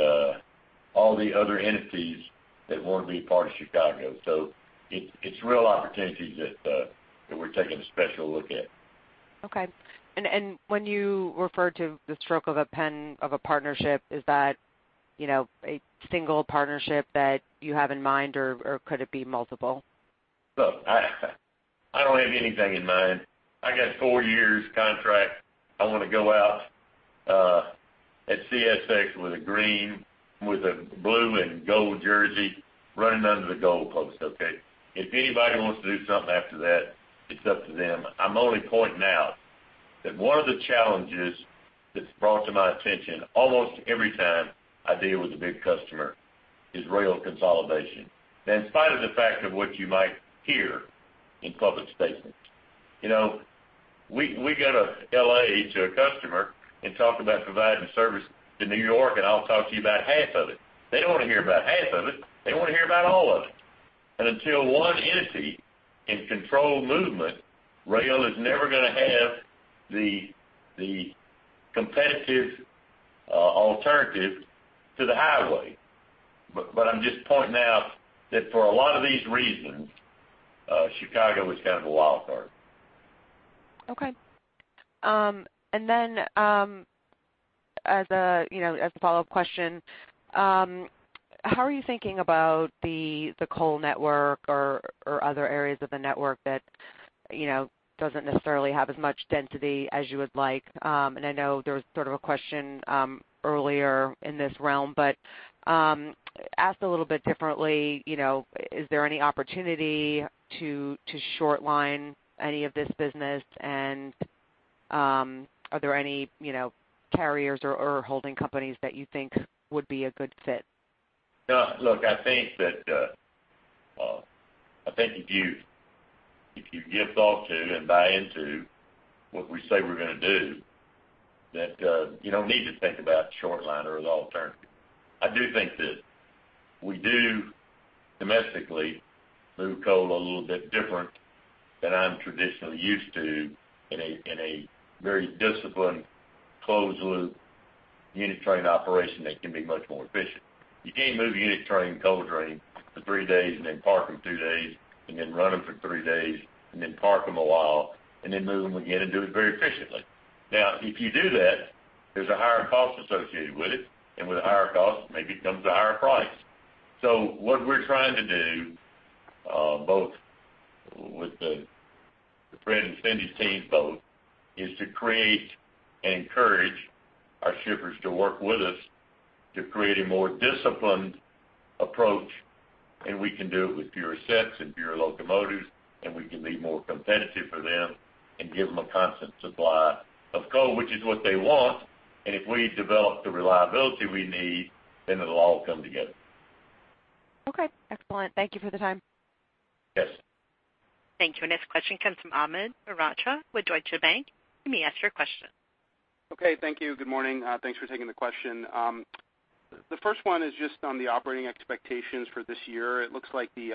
all the other entities that want to be part of Chicago. So it's, it's real opportunities that, that we're taking a special look at. Okay. And when you referred to the stroke of a pen of a partnership, is that, you know, a single partnership that you have in mind, or could it be multiple? Look, I don't have anything in mind. I got four years contract. I want to go out-... CSX with a green, with a blue and gold jersey running under the goal post, okay? If anybody wants to do something after that, it's up to them. I'm only pointing out that one of the challenges that's brought to my attention almost every time I deal with a big customer, is rail consolidation. Now, in spite of the fact of what you might hear in public statements, you know, we, we go to L.A. to a customer and talk about providing service to New York, and I'll talk to you about half of it. They don't want to hear about half of it, they want to hear about all of it. And until one entity can control movement, rail is never going to have the, the competitive, alternative to the highway. But I'm just pointing out that for a lot of these reasons, Chicago is kind of a wild card. Okay. And then, as a, you know, as a follow-up question, how are you thinking about the, the coal network or, or other areas of the network that, you know, doesn't necessarily have as much density as you would like? And I know there was sort of a question, earlier in this realm, but, asked a little bit differently, you know, is there any opportunity to, to short line any of this business? And, are there any, you know, carriers or, or holding companies that you think would be a good fit? No, look, I think that, I think if you, if you give thought to and buy into what we say we're going to do, that, you don't need to think about short line or the alternative. I do think that we do domestically move coal a little bit different than I'm traditionally used to in a, in a very disciplined, closed loop, unit train operation that can be much more efficient. You can't move a unit train, coal train for three days, and then park them two days, and then run them for three days, and then park them a while, and then move them again and do it very efficiently. Now, if you do that, there's a higher cost associated with it, and with a higher cost, maybe it comes a higher price. So what we're trying to do, both with the Fred and Cindy's teams both, is to create and encourage our shippers to work with us to create a more disciplined approach, and we can do it with fewer sets and fewer locomotives, and we can be more competitive for them and give them a constant supply of coal, which is what they want. And if we develop the reliability we need, then it'll all come together. Okay, excellent. Thank you for the time. Yes. Thank you. Our next question comes from Amit Mehrotra with Deutsche Bank. You may ask your question. Okay. Thank you. Good morning. Thanks for taking the question. The first one is just on the operating expectations for this year. It looks like the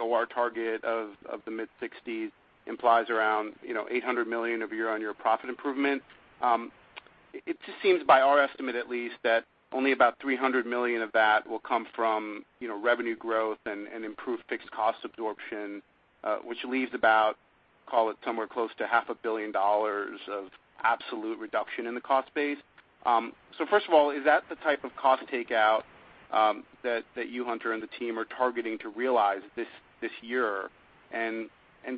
OR target of the mid-60s implies around, you know, $800 million of year-on-year profit improvement. It just seems, by our estimate at least, that only about $300 million of that will come from, you know, revenue growth and improved fixed cost absorption, which leaves about, call it somewhere close to $500 million of absolute reduction in the cost base. So first of all, is that the type of cost takeout that you, Hunter, and the team are targeting to realize this year?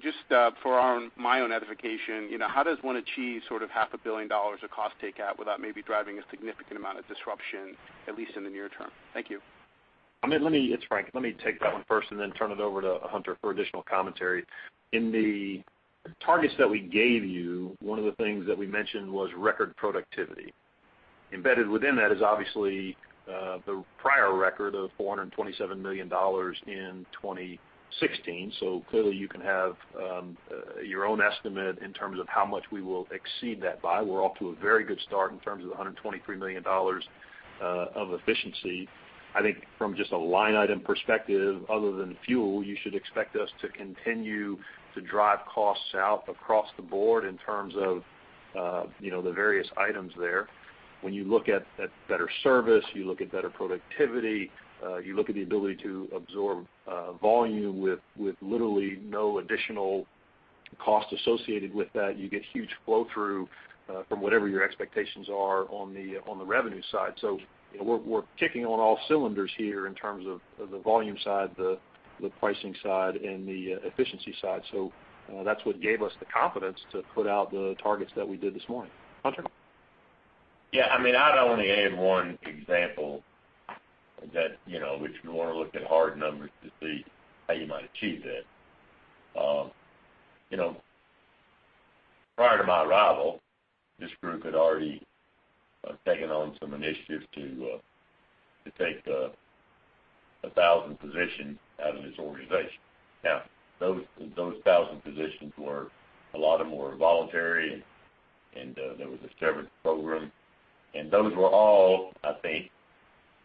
Just for our own—my own edification, you know, how does one achieve sort of $500 million of cost takeout without maybe driving a significant amount of disruption, at least in the near term? Thank you. Amit, let me... It's Frank. Let me take that one first and then turn it over to Hunter for additional commentary. In the targets that we gave you, one of the things that we mentioned was record productivity. Embedded within that is obviously, the prior record of $427 million in 2016. So clearly, you can have, your own estimate in terms of how much we will exceed that by. We're off to a very good start in terms of the $123 million, of efficiency. I think from just a line item perspective, other than fuel, you should expect us to continue to drive costs out across the board in terms of, you know, the various items there. When you look at better service, you look at better productivity, you look at the ability to absorb volume with literally no additional cost associated with that, you get huge flow-through from whatever your expectations are on the revenue side. So we're kicking on all cylinders here in terms of the volume side, the pricing side, and the efficiency side. So that's what gave us the confidence to put out the targets that we did this morning. Hunter? Yeah, I mean, I'd only add one example that, you know, if you want to look at hard numbers to see how you might achieve that. You know, prior to my arrival, this group had already taken on some initiatives to take 1,000 positions out of this organization. Now, those 1,000 positions were a lot of them were voluntary, and there was a severance program. And those were all, I think,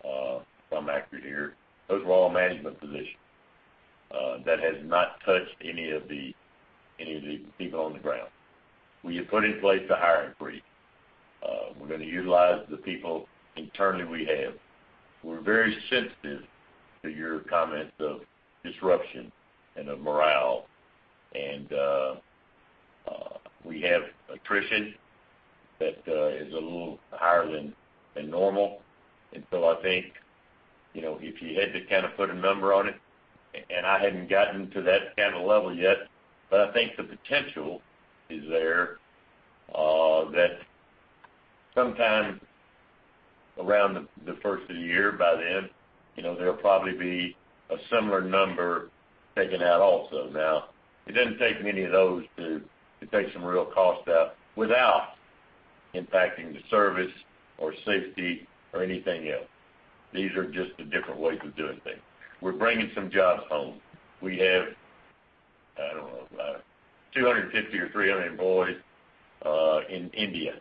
if I'm accurate here, those were all management positions. That has not touched any of the people on the ground. We have put in place a hiring freeze. We're going to utilize the people internally we have. We're very sensitive to your comments of disruption and of morale, and we have attrition that is a little higher than normal. And so I think, you know, if you had to kind of put a number on it, and I hadn't gotten to that kind of level yet, but I think the potential is there that sometime around the first of the year, by then, you know, there'll probably be a similar number taken out also. Now, it doesn't take many of those to take some real cost out without impacting the service or safety or anything else. These are just the different ways of doing things. We're bringing some jobs home. We have, I don't know, about 250 or 300 employees in India.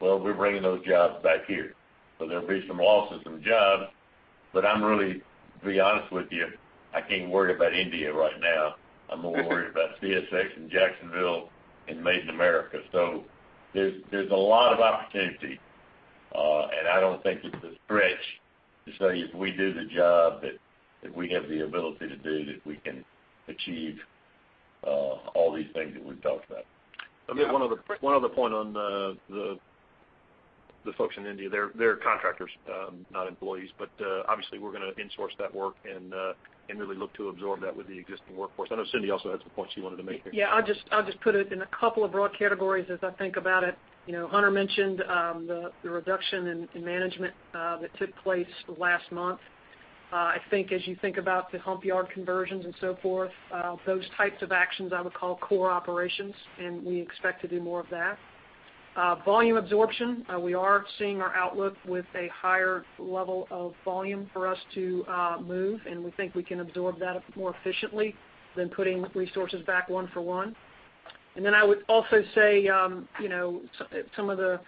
Well, we're bringing those jobs back here. So there'll be some losses in jobs, but I'm really, to be honest with you, I can't worry about India right now. I'm more worried about CSX and Jacksonville and made in America. So there's a lot of opportunity, and I don't think it's a stretch to say if we do the job that we have the ability to do, that we can achieve all these things that we've talked about. I'll make one other point on the folks in India. They're contractors, not employees, but obviously, we're going to in-source that work and really look to absorb that with the existing workforce. I know Cindy also had some points she wanted to make here. Yeah, I'll just put it in a couple of broad categories as I think about it. You know, Hunter mentioned the reduction in management that took place last month. I think as you think about the hump yard conversions and so forth, those types of actions I would call core operations, and we expect to do more of that. Volume absorption, we are seeing our outlook with a higher level of volume for us to move, and we think we can absorb that more efficiently than putting resources back one for one. And then I would also say, you know, some of the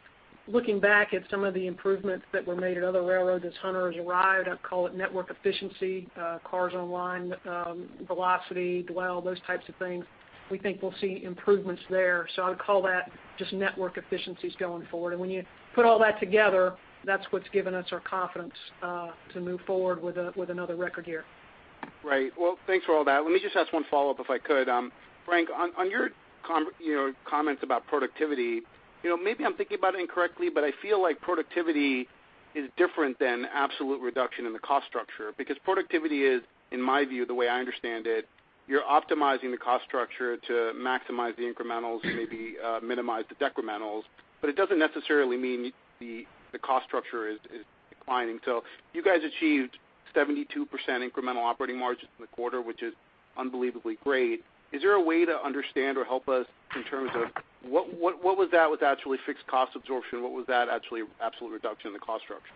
looking back at some of the improvements that were made at other railroads as Hunter has arrived, I'd call it network efficiency, cars on line, velocity, dwell, those types of things, we think we'll see improvements there. So I would call that just network efficiencies going forward. And when you put all that together, that's what's given us our confidence, to move forward with a, with another record year. Right. Well, thanks for all that. Let me just ask one follow-up, if I could. Frank, on, on your, you know, comments about productivity, you know, maybe I'm thinking about it incorrectly, but I feel like productivity is different than absolute reduction in the cost structure. Because productivity is, in my view, the way I understand it, you're optimizing the cost structure to maximize the incrementals, maybe, minimize the decrementals, but it doesn't necessarily mean the, the cost structure is, is declining. So you guys achieved 72% incremental operating margins in the quarter, which is unbelievably great. Is there a way to understand or help us in terms of what, what, what was that with actually fixed cost absorption? What was that actually absolute reduction in the cost structure?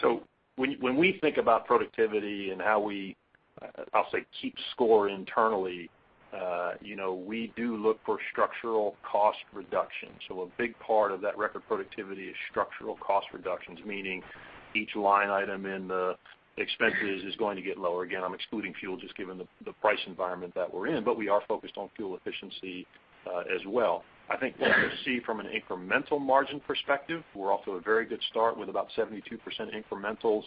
So when we think about productivity and how we, I'll say, keep score internally, you know, we do look for structural cost reduction. So a big part of that record productivity is structural cost reductions, meaning each line item in the expenses is going to get lower. Again, I'm excluding fuel, just given the price environment that we're in, but we are focused on fuel efficiency, as well. I think what you'll see from an incremental margin perspective, we're off to a very good start with about 72% incrementals,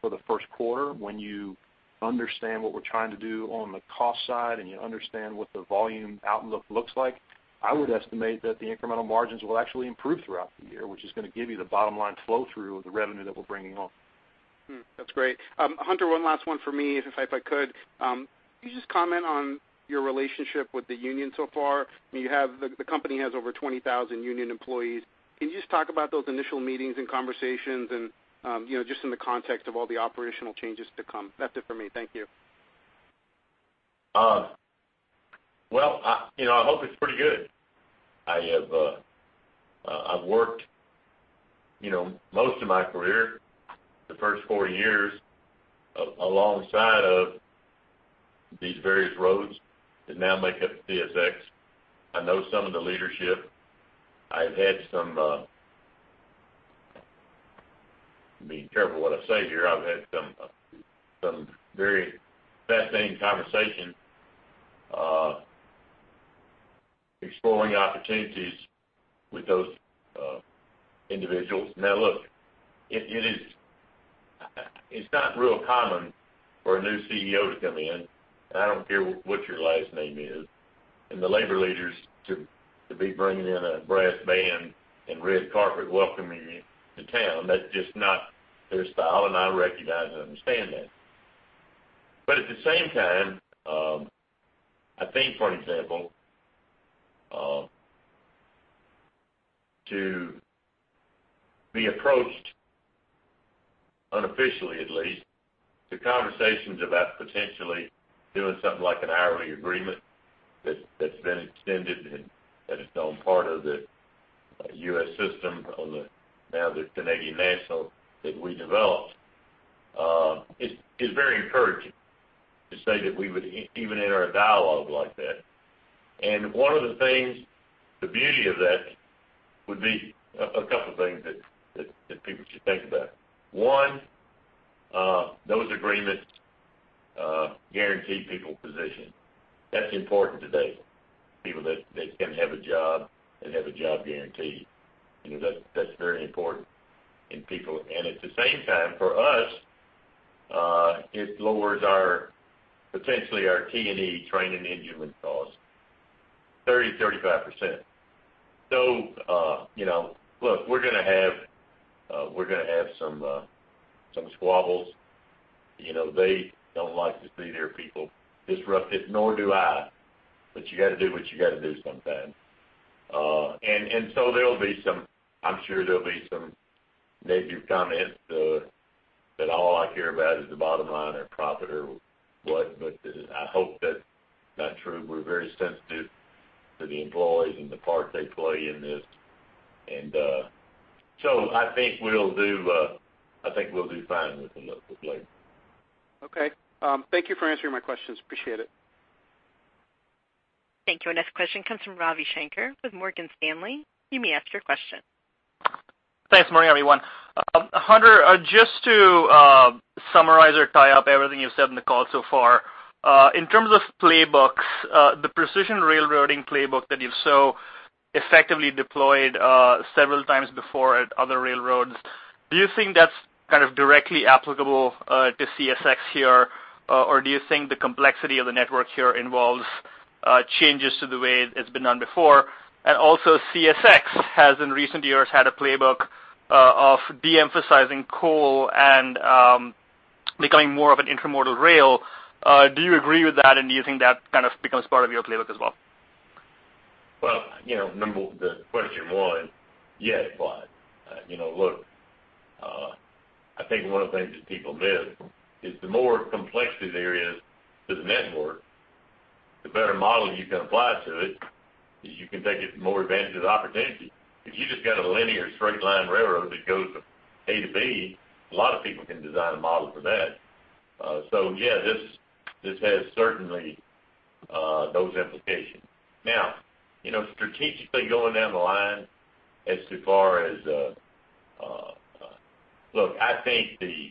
for the first quarter. When you understand what we're trying to do on the cost side and you understand what the volume outlook looks like, I would estimate that the incremental margins will actually improve throughout the year, which is going to give you the bottom line flow through of the revenue that we're bringing on. That's great. Hunter, one last one for me, if I could. Can you just comment on your relationship with the union so far? I mean, the company has over 20,000 union employees. Can you just talk about those initial meetings and conversations and, you know, just in the context of all the operational changes to come? That's it for me. Thank you. Well, you know, I hope it's pretty good. I have, I, I've worked, you know, most of my career, the first four years, alongside of these various roads that now make up CSX. I know some of the leadership. I've had some... Let me be careful what I say here. I've had some, some very fascinating conversations, exploring opportunities with those, individuals. Now, look, it, it is, it's not real common for a new CEO to come in, and I don't care what your last name is, and the labor leaders to, to be bringing in a brass band and red carpet welcoming you to town. That's just not their style, and I recognize and understand that. But at the same time, I think, for example, to be approached, unofficially at least, to conversations about potentially doing something like an hourly agreement that's, that's been extended and that is now part of the, U.S. system on the, now the Canadian National that we developed, is, is very encouraging to say that we would even enter a dialogue like that. And one of the things, the beauty of that would be a, a couple of things that, that, that people should think about. One, those agreements, guarantee people position. That's important today, people that, that can have a job and have a job guarantee. You know, that's, that's very important in people. And at the same time, for us, it lowers our, potentially our T&E, training and human costs.... 30%-35%. So, you know, look, we're gonna have, we're gonna have some, some squabbles. You know, they don't like to see their people disrupted, nor do I, but you gotta do what you gotta do sometimes. And, and so there'll be some, I'm sure there'll be some negative comments, that all I care about is the bottom line or profit or what, but I hope that's not true. We're very sensitive to the employees and the part they play in this. And, so I think we'll do, I think we'll do fine with them at the end of the day. Okay. Thank you for answering my questions. Appreciate it. Thank you. Our next question comes from Ravi Shanker with Morgan Stanley. You may ask your question. Thanks. Morning, everyone. Hunter, just to summarize or tie up everything you've said in the call so far, in terms of playbooks, the Precision Railroading playbook that you've so effectively deployed several times before at other railroads, do you think that's kind of directly applicable to CSX here? Or do you think the complexity of the network here involves changes to the way it's been done before? And also, CSX has, in recent years, had a playbook of de-emphasizing coal and becoming more of an intermodal rail. Do you agree with that, and do you think that kind of becomes part of your playbook as well? Well, you know, number one, the question, yes, but, you know, look, I think one of the things that people miss is the more complexity there is to the network, the better model you can apply to it, you can take it more advantage of the opportunity. If you just got a linear straight line railroad that goes from A to B, a lot of people can design a model for that. So yeah, this has certainly those implications. Now, you know, strategically going down the line as so far as... Look, I think the,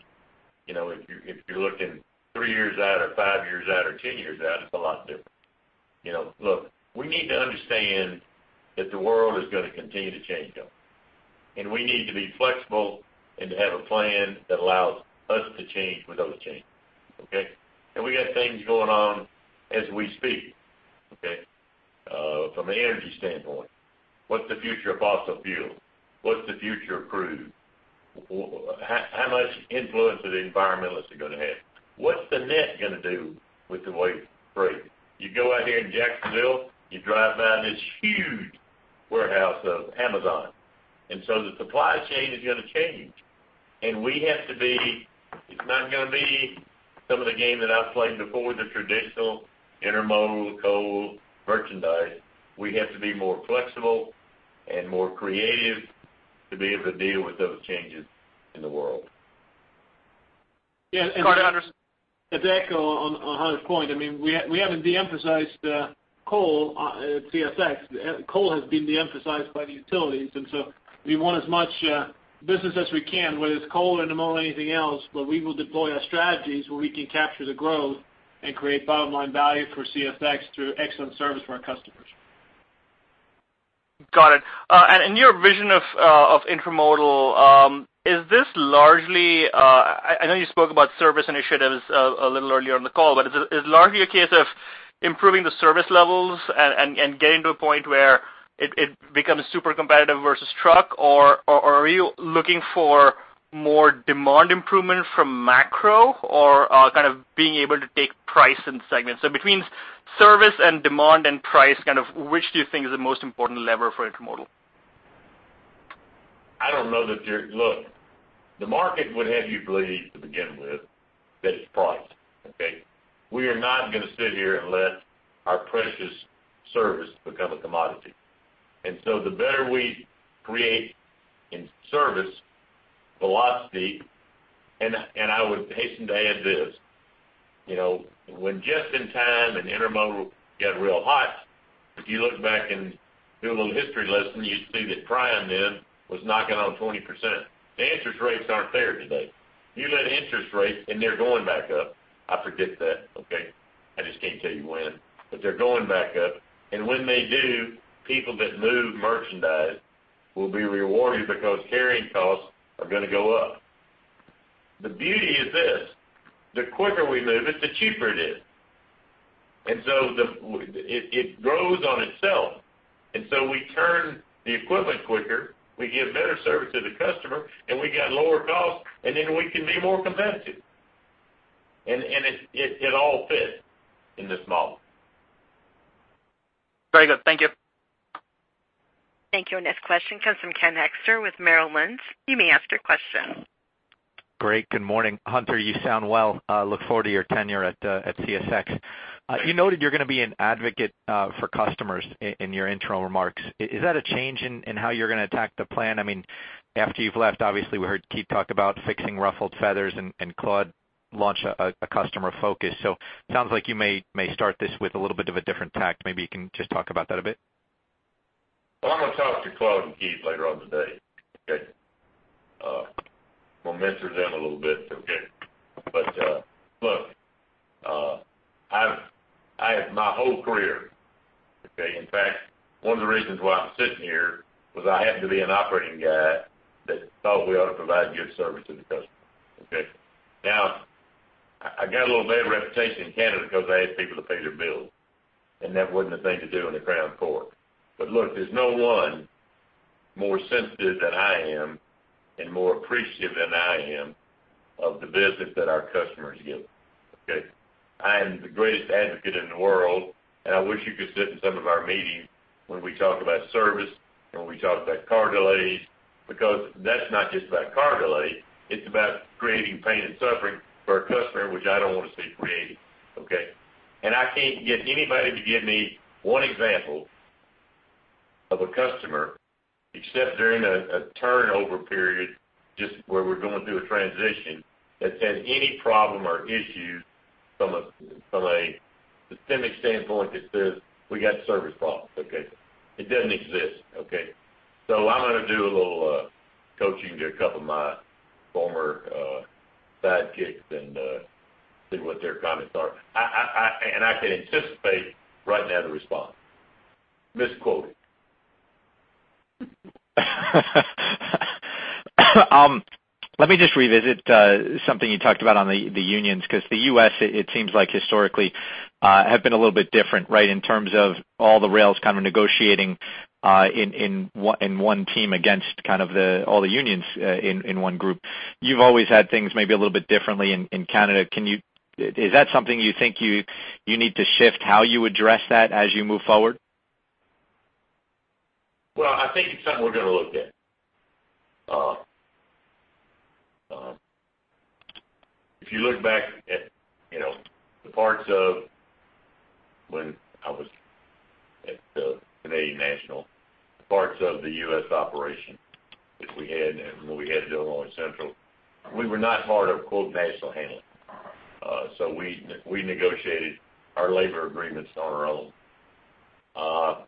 you know, if you're looking 3 years out or 5 years out or 10 years out, it's a lot different. You know, look, we need to understand that the world is gonna continue to change up, and we need to be flexible and to have a plan that allows us to change with those changes, okay? And we got things going on as we speak, okay? From an energy standpoint, what's the future of fossil fuel? What's the future of crude? How, how much influence are the environmentalists are gonna have? What's the net gonna do with the waste freight? You go out here in Jacksonville, you drive by this huge warehouse of Amazon, and so the supply chain is gonna change. And we have to be. It's not gonna be some of the game that I've played before, the traditional intermodal, coal, merchandise. We have to be more flexible and more creative to be able to deal with those changes in the world. Yeah, and- Go ahead, Hunter. To echo on Hunter's point, I mean, we haven't de-emphasized coal at CSX. Coal has been de-emphasized by the utilities, and so we want as much business as we can, whether it's coal, intermodal, or anything else, but we will deploy our strategies where we can capture the growth and create bottom-line value for CSX through excellent service for our customers. Got it. And in your vision of intermodal, is this largely... I know you spoke about service initiatives a little earlier on the call, but is it largely a case of improving the service levels and getting to a point where it becomes super competitive versus truck, or are you looking for more demand improvement from macro or kind of being able to take price in segments? So between service and demand and price, kind of which do you think is the most important lever for intermodal? I don't know that you're, look, the market would have you believe to begin with, that it's price, okay? We are not gonna sit here and let our precious service become a commodity. And so the better we create in service velocity, and, and I would hasten to add this: you know, when just in time and intermodal got real hot, if you look back and do a little history lesson, you'd see that Prime then was knocking on 20%. The interest rates aren't there today. You let interest rates, and they're going back up. I forget that, okay? I just can't tell you when, but they're going back up. And when they do, people that move merchandise will be rewarded because carrying costs are gonna go up. The beauty is this: the quicker we move it, the cheaper it is. And so it grows on itself, and so we turn the equipment quicker, we give better service to the customer, and we got lower costs, and then we can be more competitive. And it all fits in this model. Very good. Thank you. Thank you. Our next question comes from Ken Hoexter with Merrill Lynch. You may ask your question. Great, good morning. Hunter, you sound well. Look forward to your tenure at, at CSX. You noted you're gonna be an advocate, for customers in, in your intro remarks. Is, is that a change in, in how you're gonna attack the plan? I mean, after you've left, obviously, we heard Keith talk about fixing ruffled feathers and, and Claude launch a, a customer focus. So sounds like you may, may start this with a little bit of a different tack. Maybe you can just talk about that a bit. Well, I'm gonna talk to Claude and Keith later on today, okay? We'll mentor them a little bit, okay? But look, I have my whole career, okay? In fact, one of the reasons why I'm sitting here was I happened to be an operating guy that thought we ought to provide good service to the customer, okay? I got a little bad reputation in Canada because I asked people to pay their bills, and that wasn't the thing to do in the Crown Corporation. But look, there's no one more sensitive than I am, and more appreciative than I am, of the business that our customers give. Okay? I am the greatest advocate in the world, and I wish you could sit in some of our meetings when we talk about service and when we talk about car delays, because that's not just about car delays, it's about creating pain and suffering for a customer, which I don't want to see created, okay? And I can't get anybody to give me one example of a customer, except during a turnover period, just where we're going through a transition, that's had any problem or issues from a systemic standpoint that says we got service problems. Okay. It doesn't exist, okay? So I'm gonna do a little coaching to a couple of my former sidekicks and see what their comments are. And I can anticipate right now the response. Misquoted. Let me just revisit something you talked about on the unions, because the U.S., it seems like historically have been a little bit different, right, in terms of all the rails kind of negotiating in one team against kind of all the unions in one group. You've always had things maybe a little bit differently in Canada. Can you, is that something you think you need to shift how you address that as you move forward? Well, I think it's something we're gonna look at. If you look back at, you know, the parts of when I was at the Canadian National, parts of the U.S. operation that we had and when we had the Illinois Central, we were not part of, quote, "national handling." So we negotiated our labor agreements on our own.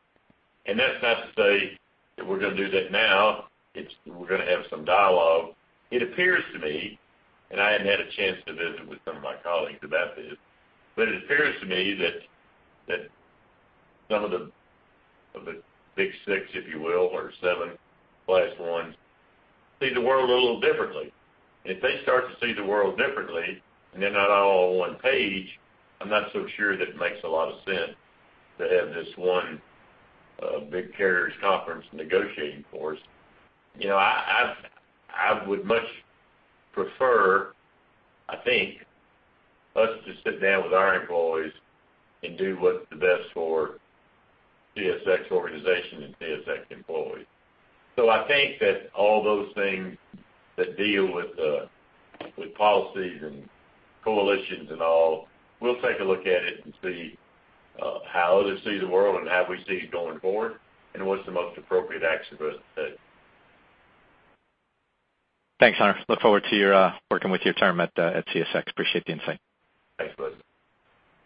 And that's not to say that we're gonna do that now. It's we're gonna have some dialogue. It appears to me, and I hadn't had a chance to visit with some of my colleagues about this, but it appears to me that some of the Big Six, if you will, or seven Class Is, see the world a little differently. If they start to see the world differently, and they're not all on one page, I'm not so sure that it makes a lot of sense to have this one big carriers conference negotiating force. You know, I would much prefer, I think, us to sit down with our employees and do what's the best for CSX organization and CSX employees. So I think that all those things that deal with policies and coalitions and all, we'll take a look at it and see how others see the world and how we see it going forward, and what's the most appropriate action for us to take. Thanks, Hunter. Look forward to your working with your team at CSX. Appreciate the insight. Thanks, buddy.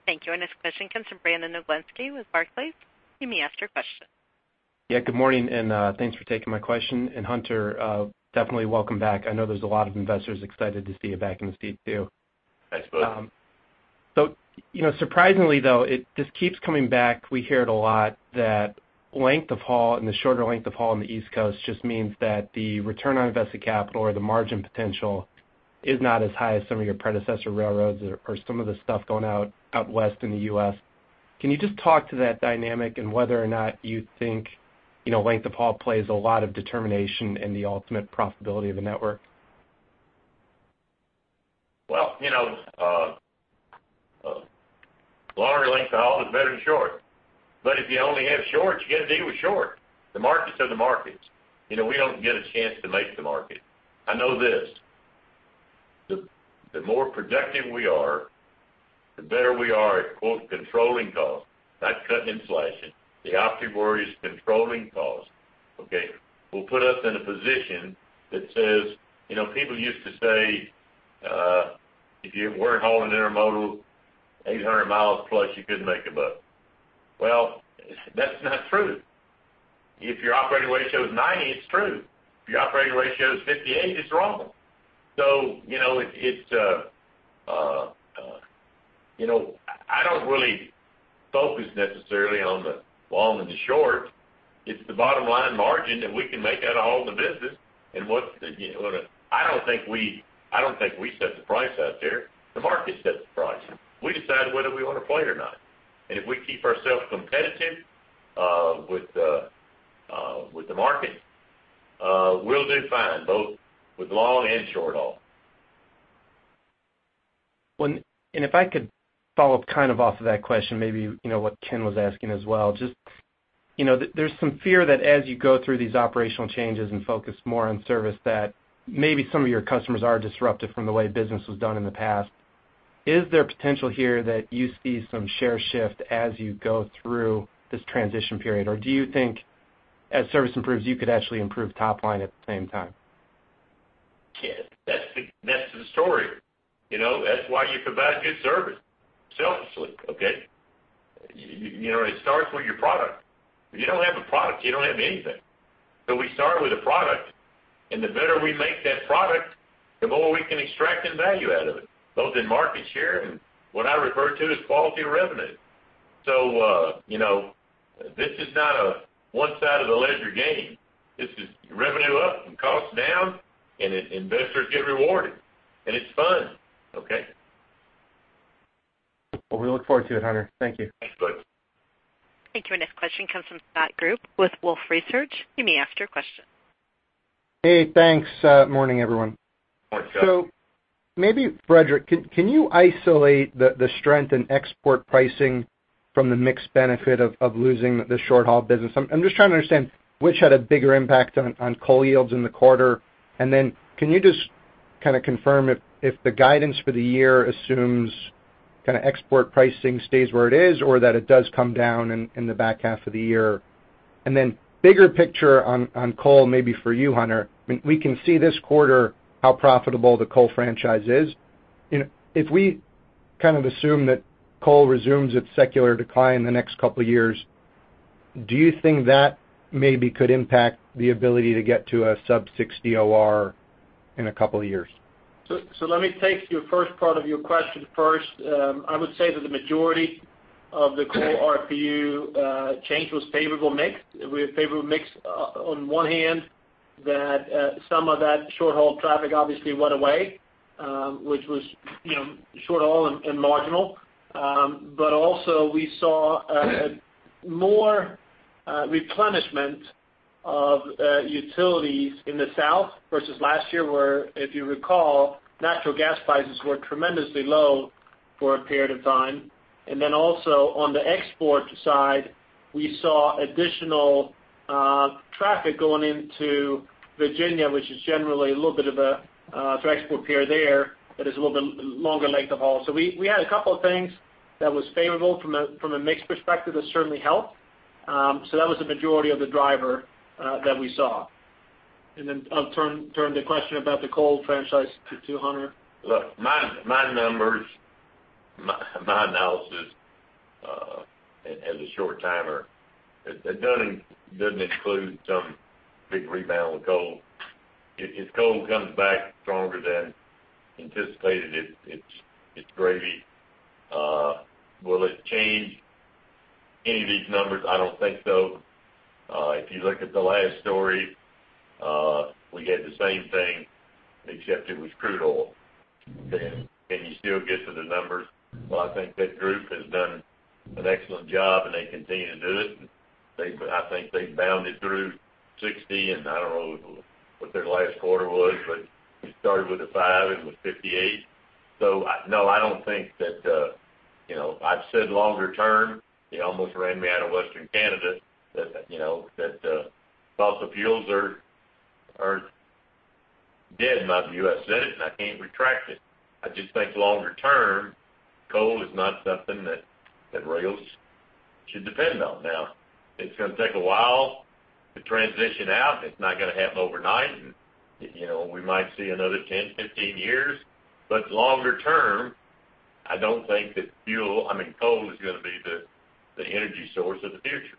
Thank you. Our next question comes from Brandon Oglenski with Barclays. You may ask your question. Yeah, good morning, and thanks for taking my question. And, Hunter, definitely welcome back. I know there's a lot of investors excited to see you back in the seat, too. Thanks, bud. So, you know, surprisingly, though, it just keeps coming back. We hear it a lot, that length of haul and the shorter length of haul on the East Coast just means that the return on invested capital or the margin potential is not as high as some of your predecessor railroads or, or some of the stuff going out, out west in the U.S. Can you just talk to that dynamic and whether or not you think, you know, length of haul plays a lot of determination in the ultimate profitability of the network? Well, you know, longer length of haul is better than short, but if you only have short, you gotta deal with short. The markets are the markets. You know, we don't get a chance to make the market. I know this: the more productive we are, the better we are at, quote, "controlling costs," not cutting and slashing. The operative word is controlling costs, okay? Will put us in a position that says... You know, people used to say, "If you weren't hauling intermodal 800 miles plus, you couldn't make a buck." Well, that's not true. If your operating ratio is 90%, it's true. If your operating ratio is 58%, it's wrong. So, you know, it's, you know, I don't really focus necessarily on the long and the short. It's the bottom line margin that we can make out of all the business, you know, and I don't think we set the price out there. The market sets the price. We decide whether we want to play it or not. And if we keep ourselves competitive with the market, we'll do fine, both with long and short haul. And if I could follow up, kind of, off of that question, maybe, you know, what Ken was asking as well. Just, you know, there's some fear that as you go through these operational changes and focus more on service, that maybe some of your customers are disrupted from the way business was done in the past. Is there potential here that you see some share shift as you go through this transition period? Or do you think, as service improves, you could actually improve top line at the same time? Yeah, that's the, that's the story. You know, that's why you provide good service selfishly, okay? You know, it starts with your product. If you don't have a product, you don't have anything. So we start with a product, and the better we make that product, the more we can extract in value out of it, both in market share and what I refer to as quality of revenue... So, you know, this is not a one side of the ledger game. This is revenue up and costs down, and investors get rewarded, and it's fun. Okay? Well, we look forward to it, Hunter. Thank you. Thanks, buddy. Thank you. Our next question comes from Scott Group with Wolfe Research. You may ask your question. Hey, thanks. Morning, everyone. Morning, Scott. So maybe, Fredrik, can you isolate the strength in export pricing from the mixed benefit of losing the short-haul business? I'm just trying to understand which had a bigger impact on coal yields in the quarter. And then can you just kind of confirm if the guidance for the year assumes kind of export pricing stays where it is, or that it does come down in the back half of the year? And then bigger picture on coal, maybe for you, Hunter. I mean, we can see this quarter how profitable the coal franchise is. You know, if we kind of assume that coal resumes its secular decline in the next couple of years, do you think that maybe could impact the ability to get to a sub-60 OR in a couple of years? So, so let me take your first part of your question first. I would say that the majority of the coal RPU change was favorable mix. We have favorable mix, on one hand, that some of that short-haul traffic obviously went away, which was, you know, short haul and, and marginal. But also we saw more replenishment of utilities in the South versus last year, where, if you recall, natural gas prices were tremendously low for a period of time. And then also on the export side, we saw additional traffic going into Virginia, which is generally a little bit of a for export pier there, that is a little bit longer length of haul. So we, we had a couple of things that was favorable from a, from a mix perspective, that certainly helped. So that was the majority of the driver that we saw. Then I'll turn the question about the coal franchise to Hunter. Look, my numbers, my analysis, as a short-timer, it doesn't include some big rebound with coal. If coal comes back stronger than anticipated, it's gravy. Will it change any of these numbers? I don't think so. If you look at the last story, we had the same thing, except it was crude oil. Then can you still get to the numbers? Well, I think that group has done an excellent job, and they continue to do it. They, I think they bounded through 60, and I don't know what their last quarter was, but it started with a five, and it was 58. So I... No, I don't think that, you know, I've said longer term, they almost ran me out of Western Canada, that, you know, that fossil fuels are dead in my view. I said it, and I can't retract it. I just think longer term, coal is not something that, that rails should depend on. Now, it's going to take a while to transition out. It's not going to happen overnight. And, you know, we might see another 10, 15 years, but longer term, I don't think that fuel, I mean, coal, is going to be the, the energy source of the future.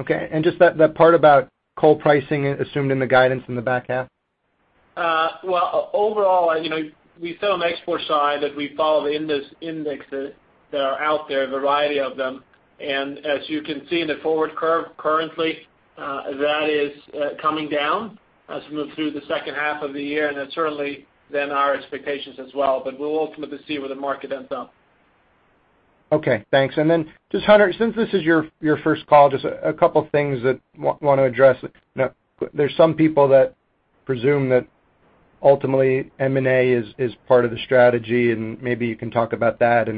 Okay. And just that, that part about coal pricing assumed in the guidance in the back half? Well, overall, you know, we saw on the export side that we follow the indexes that are out there, a variety of them. And as you can see in the forward curve, currently, that is coming down as we move through the second half of the year, and that's certainly then our expectations as well. But we'll ultimately see where the market ends up. Okay, thanks. And then just, Hunter, since this is your first call, just a couple of things that want to address. You know, there's some people that presume that ultimately M&A is part of the strategy, and maybe you can talk about that.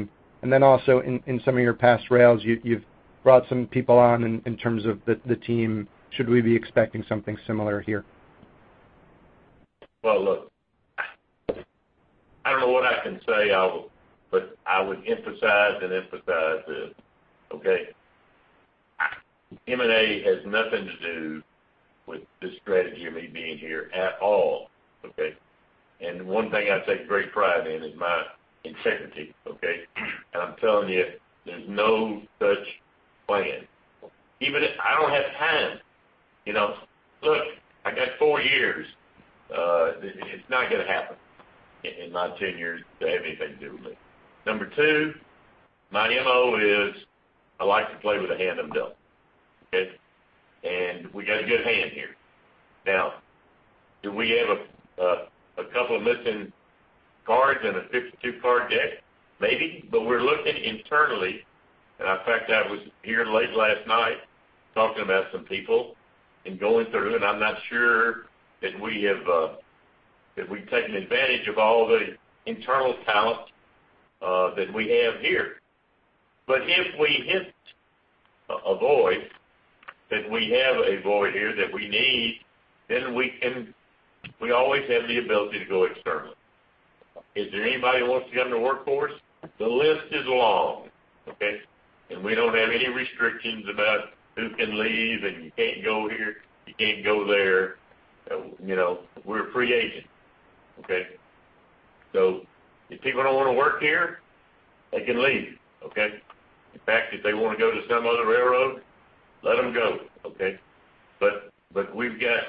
And then also in some of your past rails, you've brought some people on in terms of the team. Should we be expecting something similar here? Well, look, I don't know what I can say, I'll, but I would emphasize and emphasize this, okay? M&A has nothing to do with the strategy of me being here at all, okay? And one thing I take great pride in is my integrity, okay? And I'm telling you, there's no such plan. Even if... I don't have time, you know? Look, I got four years. It's not going to happen in my tenure to have anything to do with me. Number two, my MO is, I like to play with the hand I'm dealt. Okay? And we got a good hand here. Now, do we have a couple of missing cards in a 52-card deck? Maybe. But we're looking internally, and in fact, I was here late last night talking about some people and going through, and I'm not sure that we have, that we've taken advantage of all the internal talent, that we have here. But if we hit a void, that we have a void here that we need, then we can—we always have the ability to go externally. Is there anybody who wants to come to work for us? The list is long, okay? And we don't have any restrictions about who can leave, and you can't go here, you can't go there. You know, we're a free agent, okay? So if people don't want to work here, they can leave, okay? In fact, if they want to go to some other railroad, let them go, okay? But, but we've got-...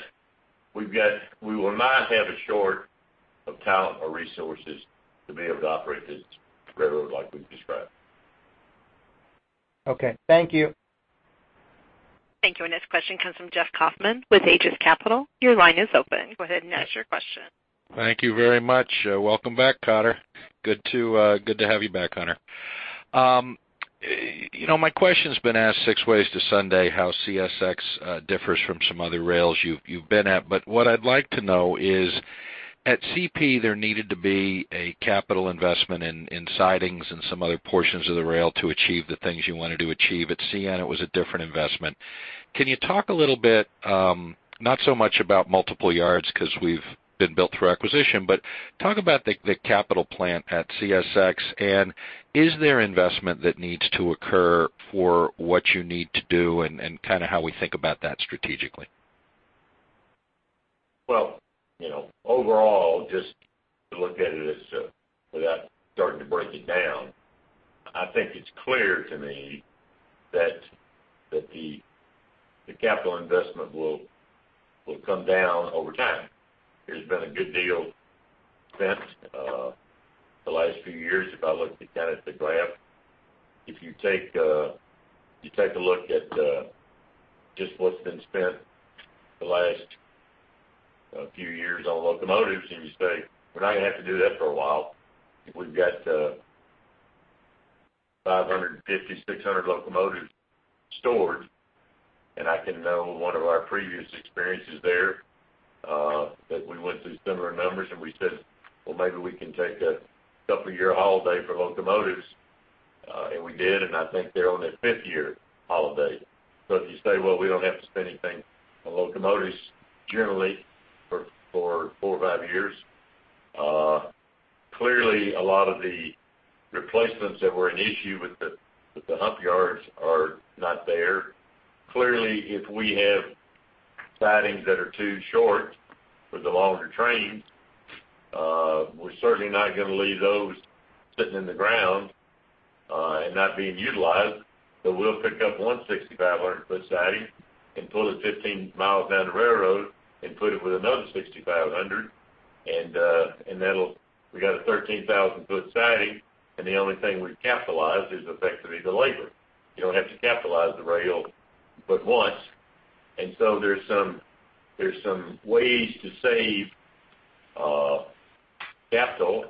We will not have a shortage of talent or resources to be able to operate this railroad like we've described. Okay. Thank you. Thank you. Our next question comes from Jeff Kauffman with Aegis Capital. Your line is open. Go ahead and ask your question. Thank you very much. Welcome back, Hunter. Good to have you back, Hunter. You know, my question's been asked six ways to Sunday, how CSX differs from some other rails you've been at. But what I'd like to know is, at CP, there needed to be a capital investment in sidings and some other portions of the rail to achieve the things you wanted to achieve. At CN, it was a different investment. Can you talk a little bit, not so much about multiple yards, 'cause we've been built through acquisition, but talk about the capital plan at CSX, and is there investment that needs to occur for what you need to do and kind of how we think about that strategically? Well, you know, overall, just to look at it as, without starting to break it down, I think it's clear to me that the capital investment will come down over time. There's been a good deal spent, the last few years, if I look again at the graph. If you take a look at, just what's been spent the last few years on locomotives, and you say, we're not going to have to do that for a while. We've got 550-600 locomotives stored, and I can know one of our previous experiences there, that we went through similar numbers, and we said, "Well, maybe we can take a couple year holiday for locomotives." And we did, and I think they're on their fifth year holiday. So if you say, "Well, we don't have to spend anything on locomotives generally, for 4 or 5 years," clearly, a lot of the replacements that were an issue with the hump yards are not there. Clearly, if we have sidings that are too short for the longer trains, we're certainly not going to leave those sitting in the ground and not being utilized. But we'll pick up one 6,500-foot siding and pull it 15 miles down the railroad and put it with another 6,500, and that'll... We got a 13,000-foot siding, and the only thing we've capitalized is effectively the labor. You don't have to capitalize the rail but once, and so there's some ways to save capital.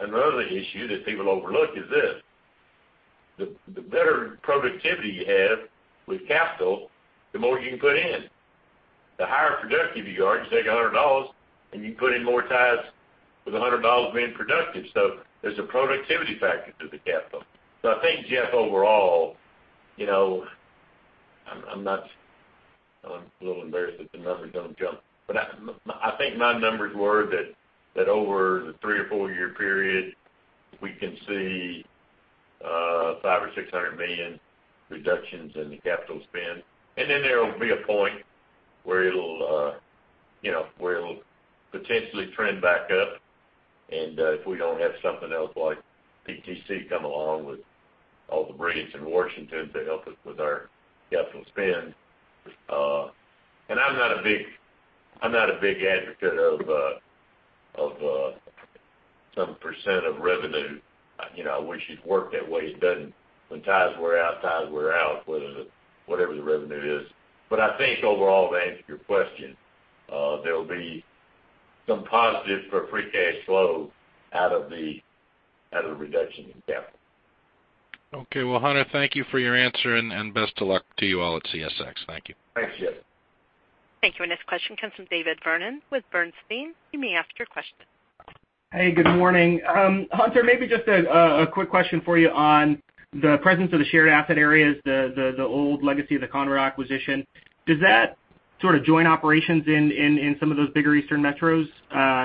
Another issue that people overlook is this: the better productivity you have with capital, the more you can put in. The higher productive you are, you take $100, and you put in more ties with $100 being productive. So there's a productivity factor to the capital. So I think, Jeff, overall, you know, I'm not... I'm a little embarrassed that the numbers don't jump, but I think my numbers were that over the 3- or 4-year period, we can see $500 million-$600 million reductions in the capital spend. And then there will be a point where it'll, you know, where it'll potentially trend back up, and if we don't have something else, like PTC, come along with all the brilliance in Washington to help us with our capital spend. And I'm not a big, I'm not a big advocate of some percent of revenue. You know, I wish it worked that way. It doesn't. When ties wear out, ties wear out, whether whatever the revenue is. But I think overall, to answer your question, there will be some positives for free cash flow out of the reduction in capital. Okay. Well, Hunter, thank you for your answer, and best of luck to you all at CSX. Thank you. Thanks, Jeff. Thank you. Our next question comes from David Vernon with Bernstein. You may ask your question. Hey, good morning. Hunter, maybe just a quick question for you on the presence of the Shared Assets Areas, the old legacy of the Conrail acquisition. Does that sort of joint operations in some of those bigger eastern metros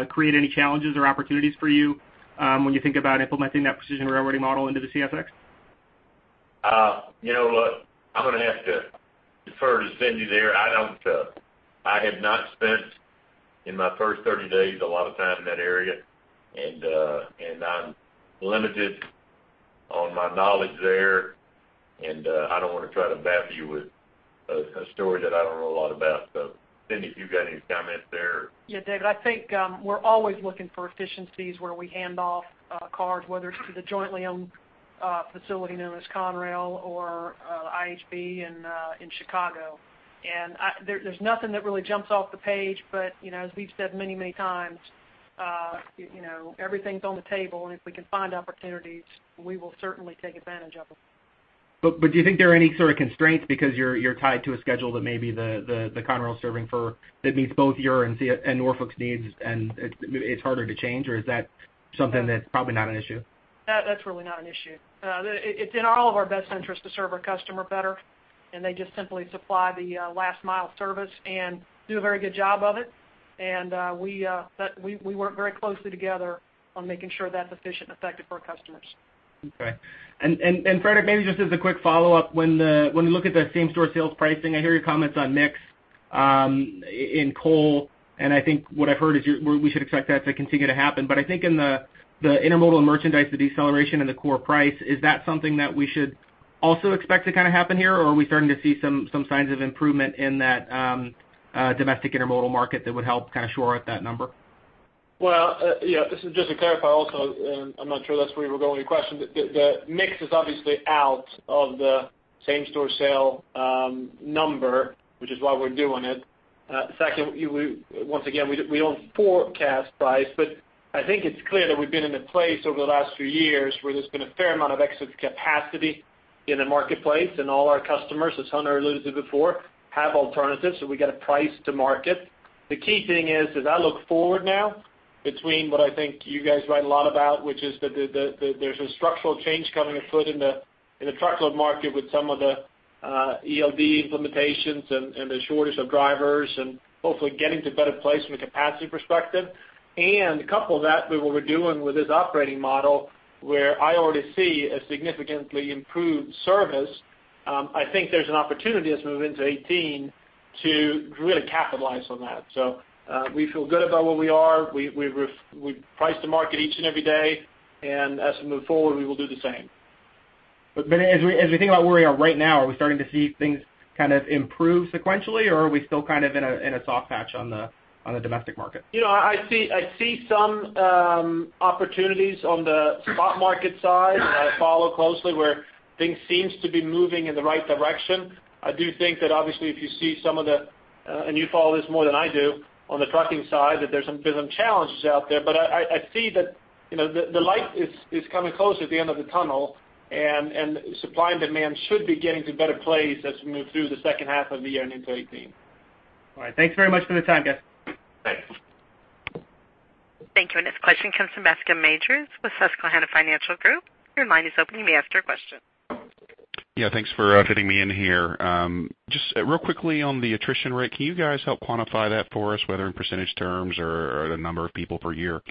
create any challenges or opportunities for you, when you think about implementing that Precision Railroading model into the CSX? You know what? I'm going to have to defer to Cindy there. I don't, I have not spent, in my first 30 days, a lot of time in that area, and, and I'm limited on my knowledge there, and, I don't want to try to baffle you with a story that I don't know a lot about. So Cindy, if you've got any comments there? Yeah, David, I think, we're always looking for efficiencies where we hand off cars, whether it's to the jointly owned facility known as Conrail or IHB in Chicago. There's nothing that really jumps off the page, but, you know, as we've said many, many times, you know, everything's on the table, and if we can find opportunities, we will certainly take advantage of them. But do you think there are any sort of constraints because you're tied to a schedule that maybe the Conrail is serving for that meets both your and CSX and Norfolk's needs, and it's harder to change, or is that something that's probably not an issue? That's really not an issue. It's in all of our best interests to serve our customer better, and they just simply supply the last mile of service and do a very good job of it. We work very closely together on making sure that's efficient and effective for our customers. Okay. And Fredrik, maybe just as a quick follow-up, when we look at the same-store sales pricing, I hear your comments on mix in coal, and I think what I've heard is we should expect that to continue to happen. But I think in the intermodal and merchandise, the deceleration and the core price, is that something that we should also expect to kind of happen here, or are we starting to see some signs of improvement in that domestic intermodal market that would help kind of shore up that number? Well, yeah, just to clarify also, and I'm not sure that's where you were going with your question. The mix is obviously out of the same-store sale number, which is why we're doing it. Second, once again, we don't forecast price, but I think it's clear that we've been in a place over the last few years where there's been a fair amount of excess capacity in the marketplace, and all our customers, as Hunter alluded to before, have alternatives, so we got to price to market. The key thing is, as I look forward now, between what I think you guys write a lot about, which is that there's a structural change coming afoot in the truckload market with some of the ELD implementations and the shortage of drivers, and hopefully getting to better place from a capacity perspective. And a couple of that, we were doing with this operating model, where I already see a significantly improved service. I think there's an opportunity as we move into 2018 to really capitalize on that. So, we feel good about where we are. We re-price to market each and every day, and as we move forward, we will do the same. But then as we think about where we are right now, are we starting to see things kind of improve sequentially, or are we still kind of in a soft patch on the domestic market? You know, I see some opportunities on the spot market side that I follow closely, where things seems to be moving in the right direction. I do think that obviously, if you see some of the and you follow this more than I do, on the trucking side, that there's some challenges out there. But I see that, you know, the light is coming closer at the end of the tunnel, and supply and demand should be getting to better place as we move through the second half of the year and into 2018. All right. Thanks very much for the time, guys. Thanks. Thank you. This question comes from Bascome Majors with Susquehanna Financial Group. Your line is open, you may ask your question. Yeah, thanks for fitting me in here. Just real quickly on the attrition rate, can you guys help quantify that for us, whether in percentage terms or, or the number of people per year?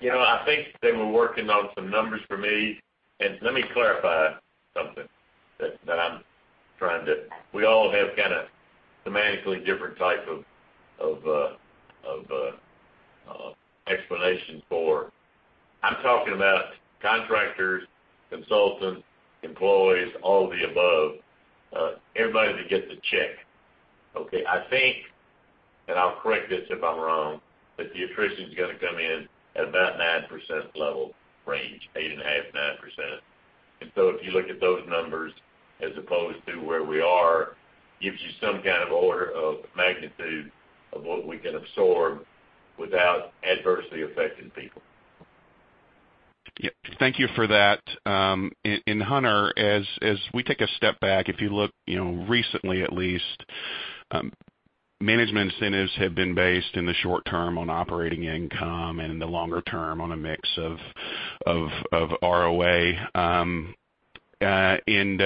You know, I think they were working on some numbers for me. Let me clarify something that I'm trying to... We all have kind of semantically different type of explanations for. I'm talking about contractors, consultants, employees, all of the above, everybody that gets a check, okay? I think, and I'll correct this if I'm wrong, that the attrition is going to come in at about 9% level range, 8.5%-9%. So if you look at those numbers as opposed to where we are, gives you some kind of order of magnitude of what we can absorb without adversely affecting people. Yep. Thank you for that. And Hunter, as we take a step back, if you look, you know, recently, at least, management incentives have been based in the short term on operating income and in the longer term on a mix of ROA. And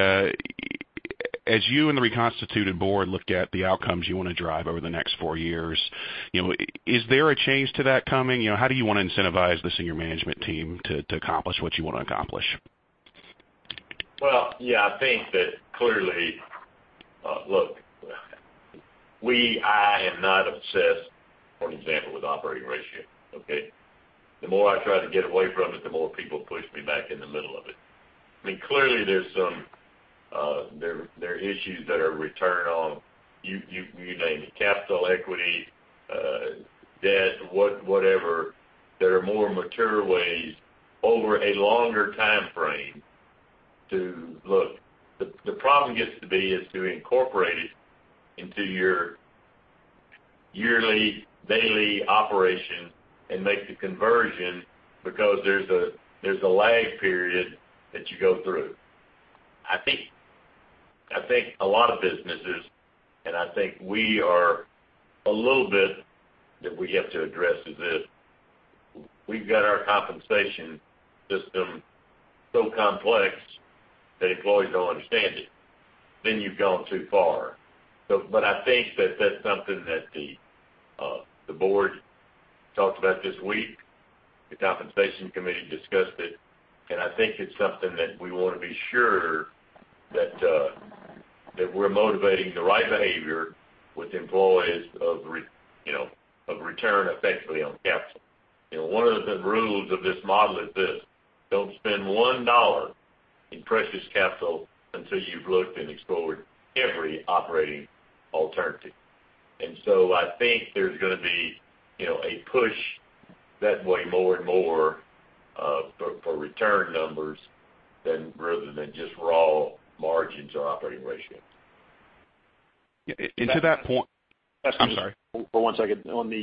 as you and the reconstituted board look at the outcomes you want to drive over the next four years, you know, is there a change to that coming? You know, how do you want to incentivize the senior management team to accomplish what you want to accomplish? Well, yeah, I think that clearly, look, we, I am not obsessed, for example, with operating ratio, okay? The more I try to get away from it, the more people push me back in the middle of it. I mean, clearly, there's some, there are issues that are returned on, you name it, capital, equity, debt, whatever. There are more mature ways over a longer time frame to... Look, the problem gets to be is to incorporate it into your yearly, daily operation and make the conversion, because there's a lag period that you go through. I think a lot of businesses, and I think we are a little bit, that we have to address, is this: we've got our compensation system so complex that employees don't understand it, then you've gone too far. But I think that that's something that the board talked about this week. The compensation committee discussed it, and I think it's something that we want to be sure that we're motivating the right behavior with employees of, you know, return effectively on capital. You know, one of the rules of this model is this: don't spend one dollar in precious capital until you've looked and explored every operating alternative. And so I think there's going to be, you know, a push that way more and more for return numbers rather than just raw margins or operating ratios. And to that point... I'm sorry. For one second. On the,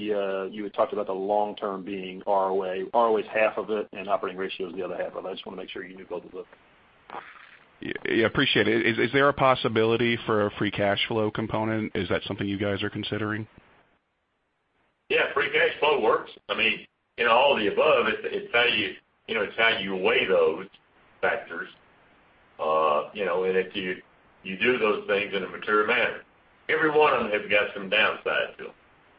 you had talked about the long term being ROA. ROA is half of it, and operating ratio is the other half. I just want to make sure you knew both of them. Yeah, appreciate it. Is, is there a possibility for a free cash flow component? Is that something you guys are considering? Yeah, free cash flow works. I mean, in all of the above, it's how you, you know, it's how you weigh those factors, you know, and if you do those things in a mature manner. Every one of them has got some downside to them.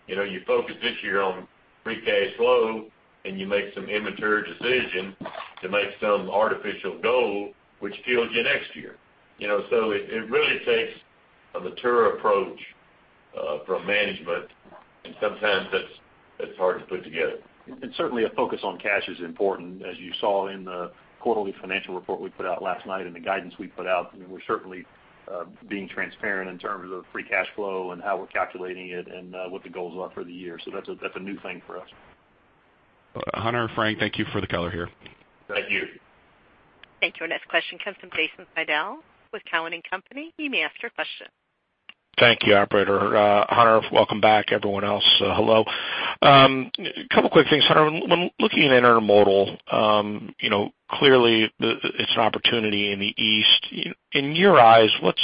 You know, you focus this year on free cash flow, and you make some immature decisions to make some artificial goal, which kills you next year. You know, so it really takes a mature approach from management, and sometimes that's hard to put together. Certainly, a focus on cash is important, as you saw in the quarterly financial report we put out last night and the guidance we put out. I mean, we're certainly being transparent in terms of free cash flow and how we're calculating it and what the goals are for the year. That's a new thing for us. Hunter and Frank, thank you for the color here. Thank you. Thank you. Our next question comes from Jason Seidl with Cowen and Company. You may ask your question. Thank you, operator. Hunter, welcome back. Everyone else, hello. A couple quick things. Hunter, when looking at intermodal, you know, clearly, it's an opportunity in the east. In your eyes, what's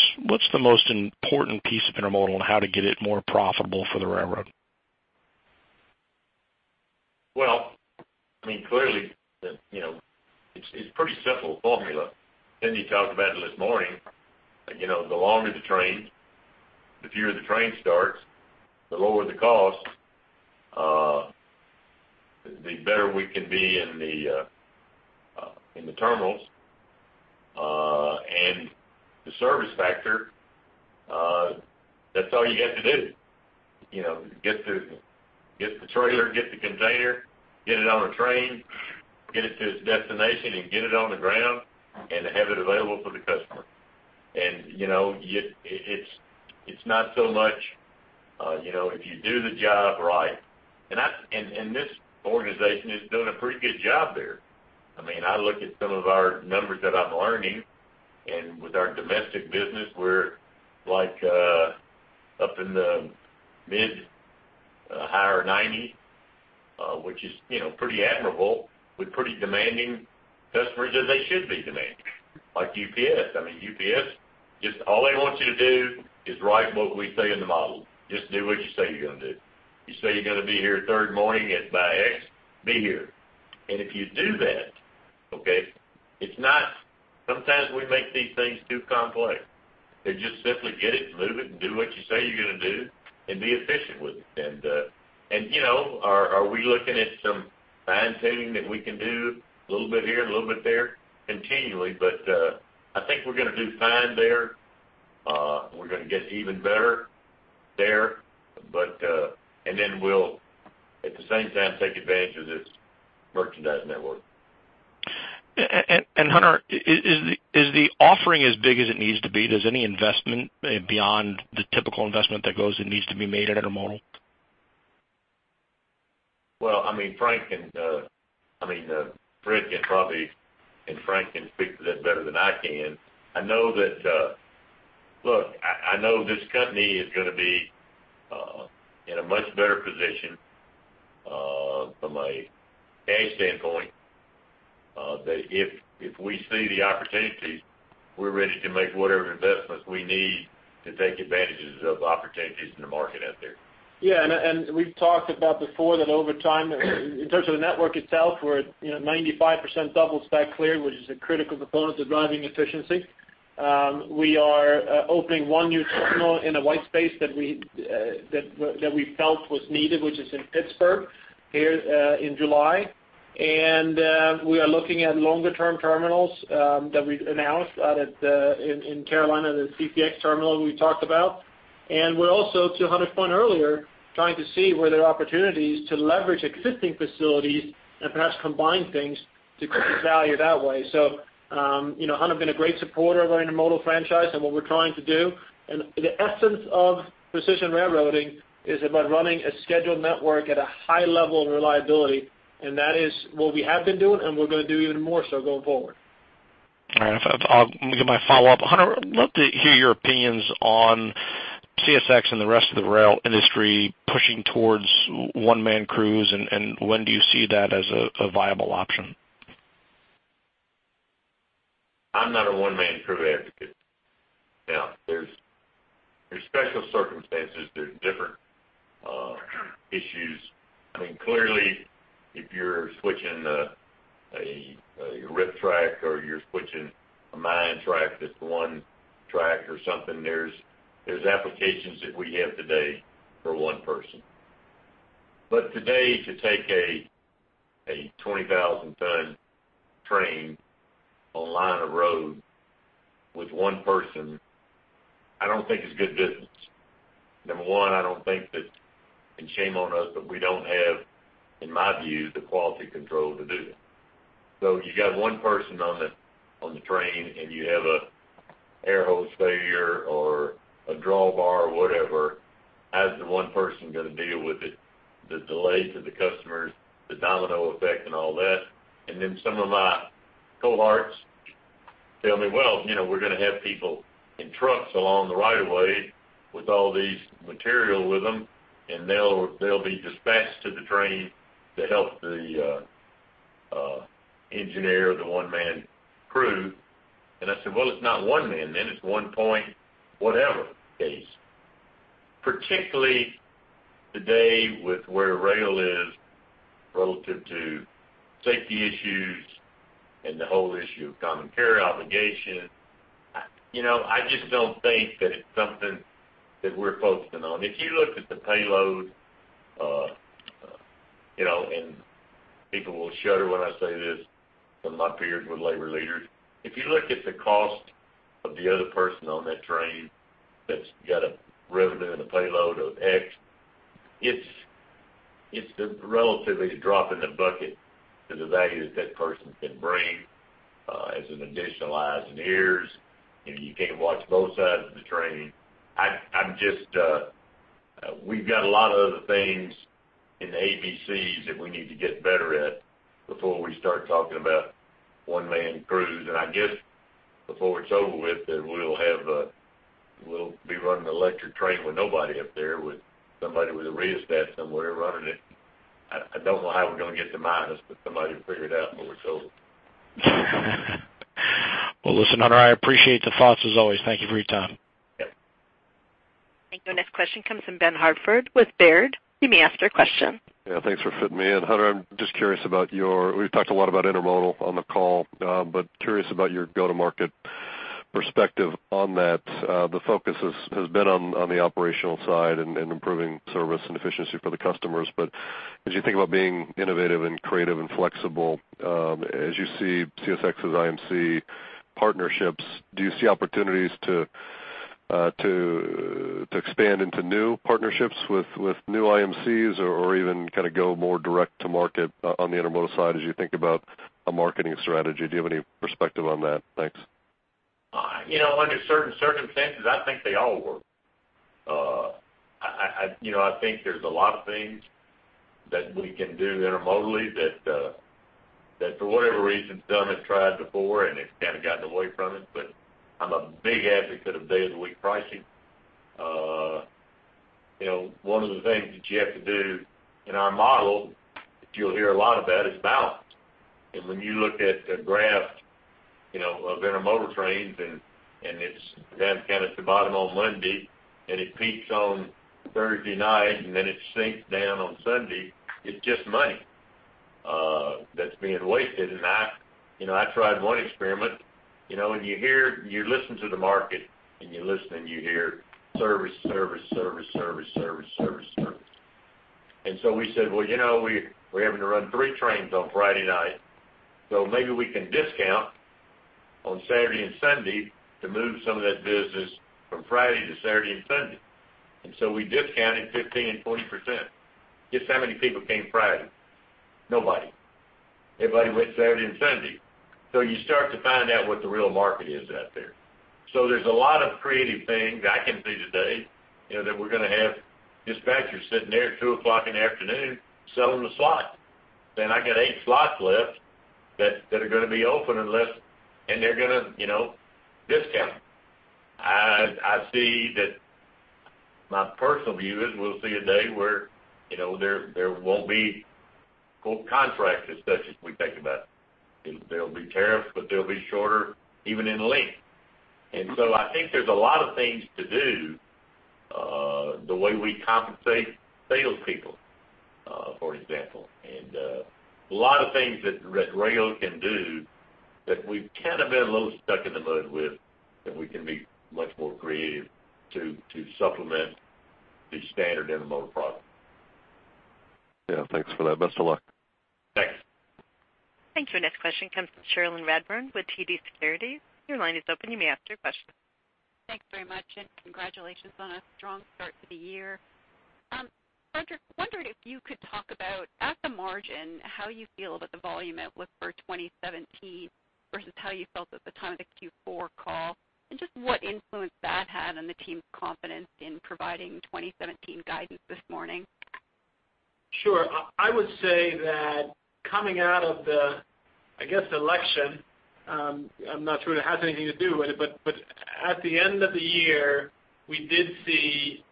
the most important piece of intermodal and how to get it more profitable for the railroad? Well, I mean, clearly, you know, it's pretty simple formula. Cindy talked about it this morning. You know, the longer the train, the fewer the train starts, the lower the cost, the better we can be in the terminals, and the service factor, that's all you have to do. You know, get the trailer, get the container, get it on a train, get it to its destination, and get it on the ground and have it available for the customer. And, you know, it's not so much, you know, if you do the job right, and this organization is doing a pretty good job there. I mean, I look at some of our numbers that I'm learning, and with our domestic business, we're like, up in the mid higher nineties, which is, you know, pretty admirable with pretty demanding customers, as they should be demanding, like UPS. I mean, UPS, just all they want you to do is right what we say in the model. Just do what you say you're going to do. You say you're going to be here third morning at by X, be here. And if you do that, okay, it's not - sometimes we make these things too complex. It's just simply get it, move it, and do what you say you're going to do, and be efficient with it. And, you know, are we looking at some fine-tuning that we can do a little bit here, a little bit there, continually, but I think we're going to do fine there. We're going to get even better there, but... And then we'll, at the same time, take advantage of this merchandise network. Hunter, is the offering as big as it needs to be? Is there any investment beyond the typical investment that goes and needs to be made at intermodal? Well, I mean, Frank can, I mean, Fred can probably and Frank can speak to that better than I can. I know that, look, I know this company is going to be in a much better position from a cash standpoint, that if we see the opportunities, we're ready to make whatever investments we need to take advantages of opportunities in the market out there. Yeah, and we've talked about before that over time, in terms of the network itself, we're at, you know, 95% double stack clear, which is a critical component to driving efficiency. We are opening one new terminal in a white space that we that we felt was needed, which is in Pittsburgh, here, in July. And we are looking at longer-term terminals that we've announced out at the-- in Carolina, the CCX terminal we talked about. And we're also, to Hunter's point earlier, trying to see where there are opportunities to leverage existing facilities and perhaps combine things to create value that way. So, you know, Hunter's been a great supporter of our intermodal franchise and what we're trying to do. The essence of Precision Railroading is about running a scheduled network at a high level of reliability, and that is what we have been doing, and we're going to do even more so going forward. All right, I'll get my follow-up. Hunter, I'd love to hear your opinions on CSX and the rest of the rail industry pushing towards one-man crews, and when do you see that as a viable option? I'm not a one-man crew advocate. Now, there's special circumstances, there's different issues. I mean, clearly, if you're switching a rip track or you're switching a mine track, that's one track or something, there's applications that we have today for one person. But today, to take a 20,000-ton train on a line of road with one person, I don't think it's good business. Number one, I don't think that, and shame on us, but we don't have, in my view, the quality control to do it. So you got one person on the train, and you have an air hose failure or a drawbar, whatever, how is the one person going to deal with it? The delay to the customers, the domino effect and all that. And then some of my cohorts tell me, "Well, you know, we're going to have people in trucks along the right of way with all these material with them, and they'll, they'll be dispatched to the train to help the engineer, the one-man crew." And I said, "Well, it's not one man, then. It's one point, whatever it is." Particularly today, with where rail is relative to safety issues and the whole issue of common carrier obligation, you know, I just don't think that it's something that we're focusing on. If you look at the payload, you know, and people will shudder when I say this from my peers with labor leaders. If you look at the cost of the other person on that train that's got a revenue and a payload of X, it's relatively a drop in the bucket to the value that that person can bring as an additional eyes and ears. And you can't watch both sides of the train. I'm just we've got a lot of other things in the ABCs that we need to get better at before we start talking about one-man crews. And I guess before it's over with, that we'll have we'll be running an electric train with nobody up there, with somebody with a rheostat somewhere running it. I don't know how we're going to get to minus, but somebody will figure it out before we're told. Well, listen, Hunter, I appreciate the thoughts as always. Thank you for your time. Thank you. Our next question comes from Ben Hartford with Baird. You may ask your question. Yeah, thanks for fitting me in. Hunter, I'm just curious about your—we've talked a lot about intermodal on the call, but curious about your go-to-market perspective on that. The focus has been on the operational side and improving service and efficiency for the customers. But as you think about being innovative and creative and flexible, as you see CSX's IMC partnerships, do you see opportunities to expand into new partnerships with new IMCs or even kind of go more direct-to-market on the intermodal side as you think about a marketing strategy? Do you have any perspective on that? Thanks. You know, under certain circumstances, I think they all work. You know, I think there's a lot of things that we can do intermodally that, that for whatever reason, some have tried before and they've kind of gotten away from it. But I'm a big advocate of day-of-the-week pricing. One of the things that you have to do in our model, that you'll hear a lot about, is balance. And when you look at a graph, you know, of intermodal trains and it's down kind of to the bottom on Monday, and it peaks on Thursday night, and then it sinks down on Sunday, it's just money that's being wasted. And I, you know, I tried one experiment, you know, and you listen to the market and you listen and you hear service, service, service, service, service, service, service. And so we said, "Well, you know, we, we're having to run 3 trains on Friday night, so maybe we can discount on Saturday and Sunday to move some of that business from Friday to Saturday and Sunday." And so we discounted 15% and 20%. Guess how many people came Friday? Nobody. Everybody went Saturday and Sunday. So you start to find out what the real market is out there. So there's a lot of creative things I can see today, you know, that we're going to have dispatchers sitting there at 2:00 P.M. selling the slots. Saying, "I got 8 slots left that, that are going to be open unless..." And they're going to, you know, discount. I, I see that my personal view is we'll see a day where, you know, there, there won't be quote, contracts, as such, as we think about it. There'll be tariffs, but they'll be shorter, even in length. And so I think there's a lot of things to do, the way we compensate sales people, for example. And a lot of things that rail can do that we've kind of been a little stuck in the mud with, that we can be much more creative to supplement the standard intermodal product. Yeah. Thanks for that. Best of luck. Thanks. Thank you. Our next question comes from Cherilyn Radbourne with TD Securities. Your line is open. You may ask your question. Thanks very much, and congratulations on a strong start to the year. I wondered if you could talk about, at the margin, how you feel about the volume outlook for 2017 versus how you felt at the time of the Q4 call, and just what influence that had on the team's confidence in providing 2017 guidance this morning? Sure. I would say that coming out of the, I guess, election, I'm not sure it has anything to do with it, but at the end of the year, we did see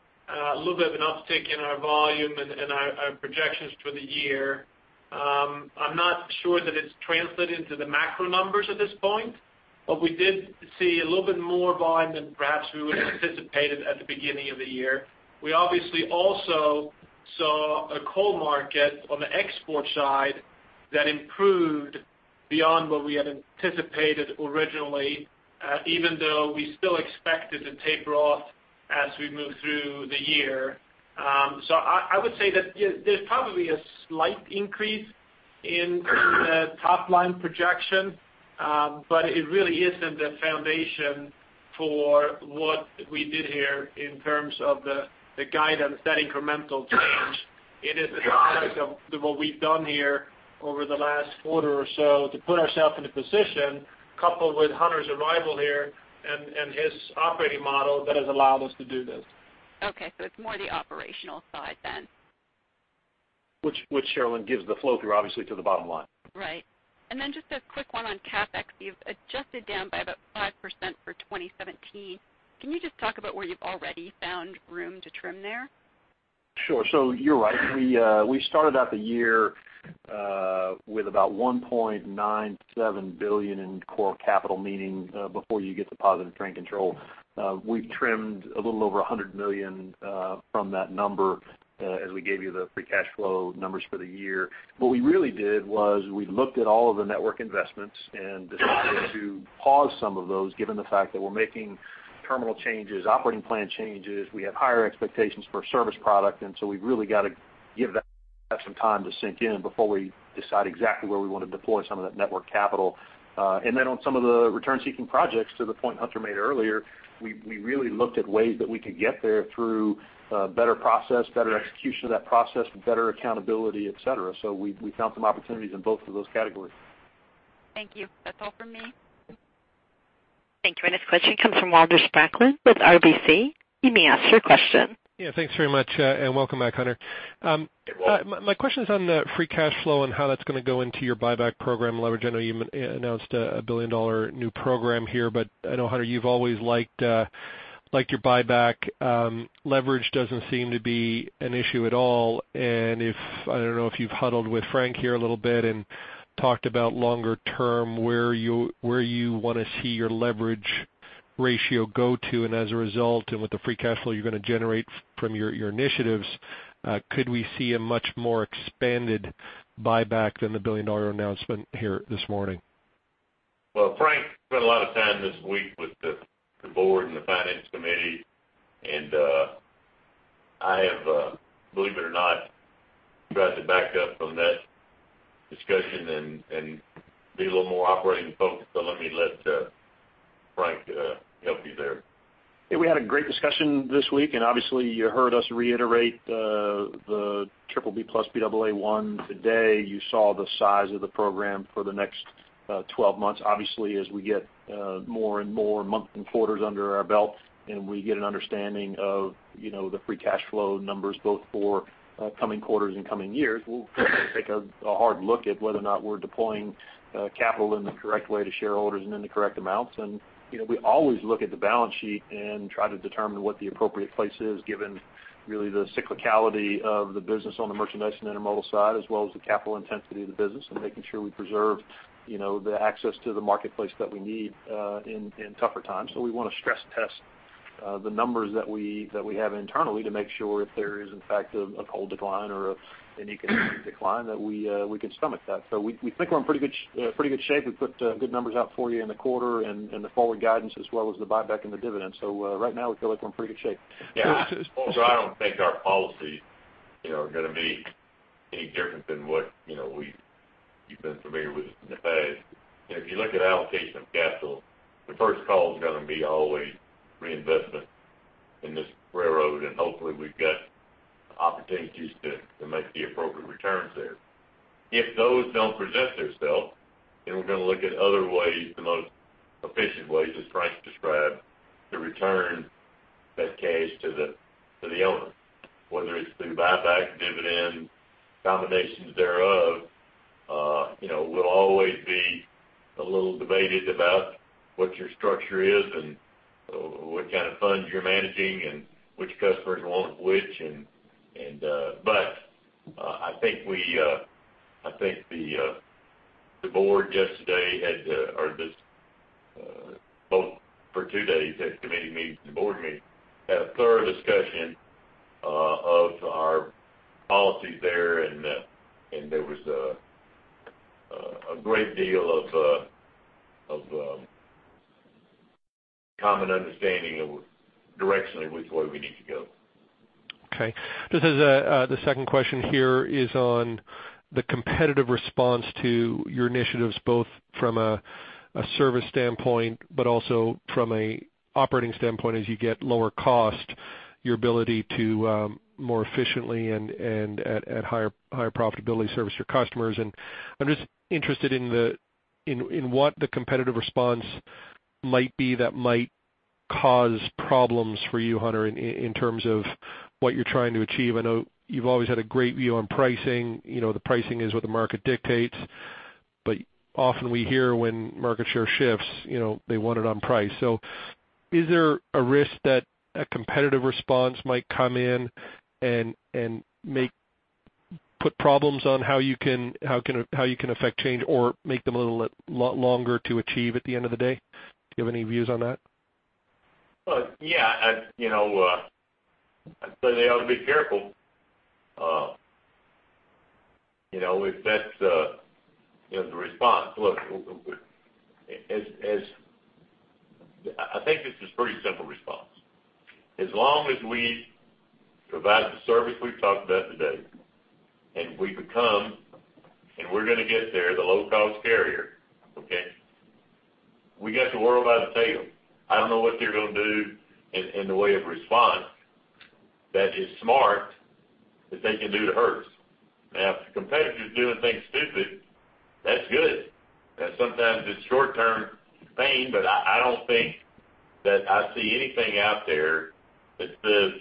a little bit of an uptick in our volume and our projections for the year. I'm not sure that it's translated into the macro numbers at this point, but we did see a little bit more volume than perhaps we would have anticipated at the beginning of the year. We obviously also saw a coal market on the export side that improved beyond what we had anticipated originally, even though we still expect it to taper off as we move through the year. So I would say that there's probably a slight increase in the top-line projection, but it really isn't the foundation for what we did here in terms of the guidance, that incremental change. It is a product of what we've done here over the last quarter or so to put ourselves in a position, coupled with Hunter's arrival here and his operating model, that has allowed us to do this. Okay. So it's more the operational side than. Which, which Cherilyn, gives the flow-through, obviously, to the bottom line. Right. And then just a quick one on CapEx. You've adjusted down by about 5% for 2017. Can you just talk about where you've already found room to trim there? Sure. So you're right. We, we started out the year, with about $1.97 billion in core capital, meaning, before you get to Positive Train Control. We've trimmed a little over $100 million, from that number, as we gave you the free cash flow numbers for the year. What we really did was, we looked at all of the network investments and decided to pause some of those, given the fact that we're making terminal changes, operating plan changes, we have higher expectations for service product, and so we've really got to give that- ... have some time to sink in before we decide exactly where we want to deploy some of that network capital. And then on some of the return-seeking projects, to the point Hunter made earlier, we really looked at ways that we could get there through better process, better execution of that process, better accountability, et cetera. So we found some opportunities in both of those categories. Thank you. That's all for me. Thank you. Our next question comes from Walter Spracklin with RBC. You may ask your question. Yeah, thanks very much, and welcome back, Hunter. My question is on the free cash flow and how that's gonna go into your buyback program leverage. I know you announced a $1 billion new program here, but I know, Hunter, you've always liked your buyback. Leverage doesn't seem to be an issue at all, and I don't know if you've huddled with Frank here a little bit and talked about longer term, where you wanna see your leverage ratio go to, and as a result, and with the free cash flow you're gonna generate from your initiatives, could we see a much more expanded buyback than the $1 billion announcement here this morning? Well, Frank spent a lot of time this week with the board and the finance committee, and I have, believe it or not, tried to back up from that discussion and be a little more operating focused. So let me let Frank help you there. Yeah, we had a great discussion this week, and obviously, you heard us reiterate the BBB+ Baa1 today. You saw the size of the program for the next 12 months. Obviously, as we get more and more months and quarters under our belt, and we get an understanding of, you know, the free cash flow numbers, both for coming quarters and coming years, we'll take a hard look at whether or not we're deploying capital in the correct way to shareholders and in the correct amounts. And, you know, we always look at the balance sheet and try to determine what the appropriate place is, given really the cyclicality of the business on the merchandise and intermodal side, as well as the capital intensity of the business and making sure we preserve, you know, the access to the marketplace that we need in tougher times. So we wanna stress test the numbers that we have internally to make sure if there is, in fact, a coal decline or any decline, that we can stomach that. So we think we're in pretty good shape. We put good numbers out for you in the quarter and the forward guidance, as well as the buyback and the dividend. So, right now we feel like we're in pretty good shape. Yeah. I don't think our policy, you know, is gonna be any different than what, you know, you've been familiar with in the past. If you look at allocation of capital, the first call is gonna be always reinvestment in this railroad, and hopefully, we've got opportunities to make the appropriate returns there. If those don't present themselves, then we're gonna look at other ways, the most efficient ways, as Frank described, to return that cash to the owners, whether it's through buyback, dividends, combinations thereof. You know, we'll always be a little debated about what your structure is and what kind of funds you're managing and which customers want which, and... But, I think the board yesterday had, or this, well, for two days, had committee meetings and board meetings, had a thorough discussion of our policies there, and there was a great deal of common understanding of directionally which way we need to go. Okay. This is the second question here is on the competitive response to your initiatives, both from a service standpoint, but also from a operating standpoint, as you get lower cost, your ability to more efficiently and at higher profitability, service your customers. And I'm just interested in what the competitive response might be that might cause problems for you, Hunter, in terms of what you're trying to achieve. I know you've always had a great view on pricing. You know, the pricing is what the market dictates, but often we hear when market share shifts, you know, they want it on price. So is there a risk that a competitive response might come in and put problems on how you can affect change or make them a lot longer to achieve at the end of the day? Do you have any views on that? Well, yeah, I, you know, I'd say they ought to be careful. You know, if that's, you know, the response. Look, I think this is a pretty simple response. As long as we provide the service we've talked about today, and we become, and we're gonna get there, the low-cost carrier, okay? We got the world by the tail. I don't know what they're gonna do in, in the way of response that is smart, that they can do to hurt us. Now, if the competitor's doing things stupid, that's good. Sometimes it's short-term pain, but I don't think that I see anything out there that says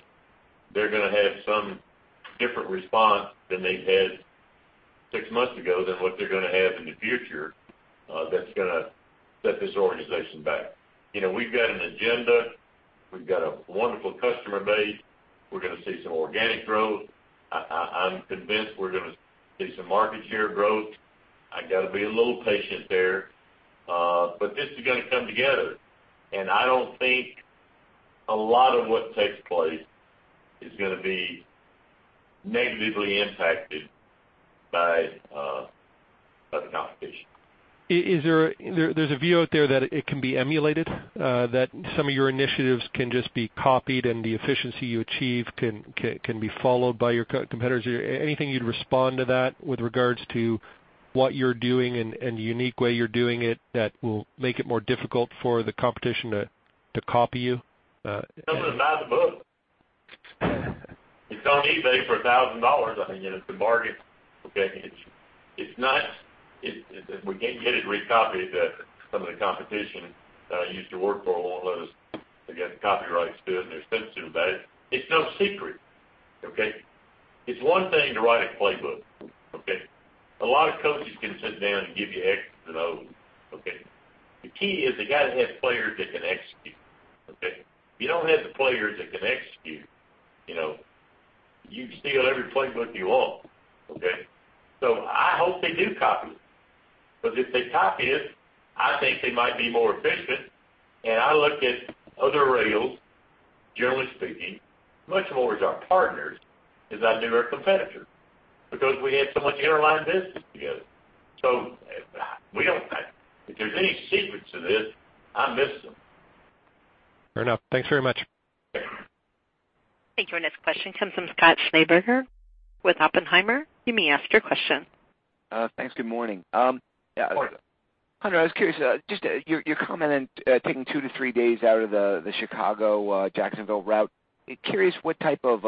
they're gonna have some different response than they had six months ago than what they're gonna have in the future, that's gonna set this organization back. You know, we've got an agenda, we've got a wonderful customer base. We're gonna see some organic growth. I'm convinced we're gonna see some market share growth. I got to be a little patient there, but this is gonna come together, and I don't think a lot of what takes place is gonna be negatively impacted by the competition. Is there a view out there that it can be emulated, that some of your initiatives can just be copied and the efficiency you achieve can be followed by your competitors? Anything you'd respond to that with regards to what you're doing and the unique way you're doing it that will make it more difficult for the competition to copy you? Nothing to buy the book. It's on eBay for $1,000. I think it's a bargain. Okay. It's not—it, we can't get it recopied. Some of the competition, I used to work for one of those. They got the copyrights to it, and they're sensitive about it. It's no secret, okay? It's one thing to write a playbook, okay? A lot of coaches can sit down and give you X and O, okay? The key is you got to have players that can execute, okay? If you don't have the players that can execute, you know, you can steal every playbook you want, okay? So I hope they do copy it, because if they copy it, I think they might be more efficient. I look at other rails, generally speaking, much more as our partners, as our newer competitor, because we have so much airline business together. So we don't have... If there's any secrets to this, I missed them. Fair enough. Thanks very much. Thank you. Our next question comes from Scott Schneeberger with Oppenheimer. You may ask your question. Thanks. Good morning. Yeah. Good morning. Hunter, I was curious, just, your comment on taking 2-3 days out of the Chicago-Jacksonville route. Curious, what type of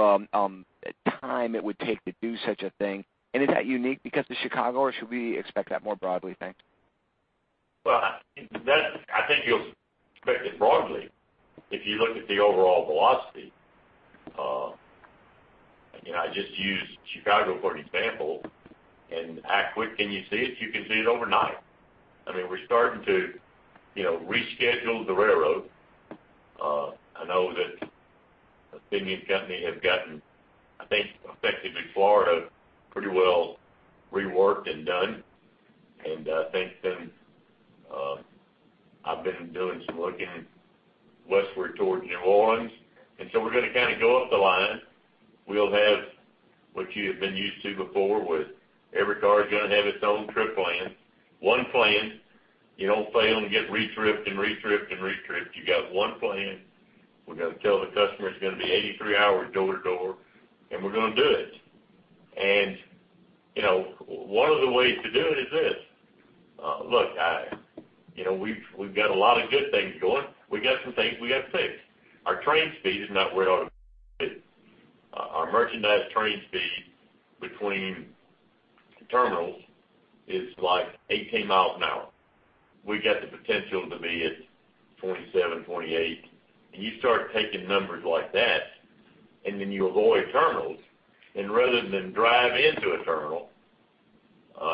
time it would take to do such a thing? And is that unique because of Chicago, or should we expect that more broadly, thanks? Well, I think you'll expect it broadly if you look at the overall velocity. You know, I just used Chicago for an example, and how quick can you see it? You can see it overnight. I mean, we're starting to, you know, reschedule the railroad. I know that Cindy and company has gotten, I think, effectively Florida, pretty well reworked and done. And I think then I've been doing some looking westward towards New Orleans, and so we're going to kind of go up the line. We'll have what you have been used to before, with every car is going to have its own trip plan. One plan, you don't fail and get re-tripped and re-tripped and re-tripped. You got one plan. We're going to tell the customer it's going to be 83 hours door to door, and we're going to do it. And, you know, one of the ways to do it is this, look, I... You know, we've, we've got a lot of good things going. We got some things we got to fix. Our train speed is not where it ought to be. Our merchandise train speed between terminals is like 18 miles an hour. We've got the potential to be at 27, 28. And you start taking numbers like that, and then you avoid terminals, and rather than drive into a terminal,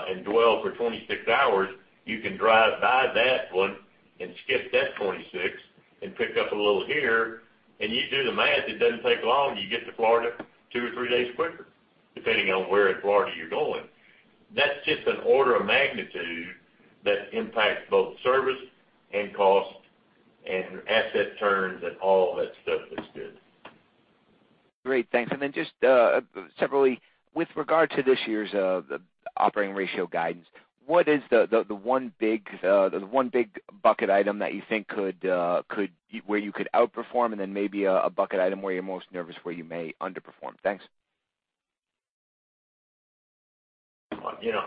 and dwell for 26 hours, you can drive by that one and skip that 26 and pick up a little here, and you do the math. It doesn't take long, you get to Florida 2 or 3 days quicker, depending on where in Florida you're going. That's just an order of magnitude that impacts both service and cost and asset turns and all that stuff that's good. Great, thanks. And then just, separately, with regard to this year's operating ratio guidance, what is the one big, the one big bucket item that you think could, could, where you could outperform, and then maybe a bucket item where you're most nervous, where you may underperform? Thanks. You know,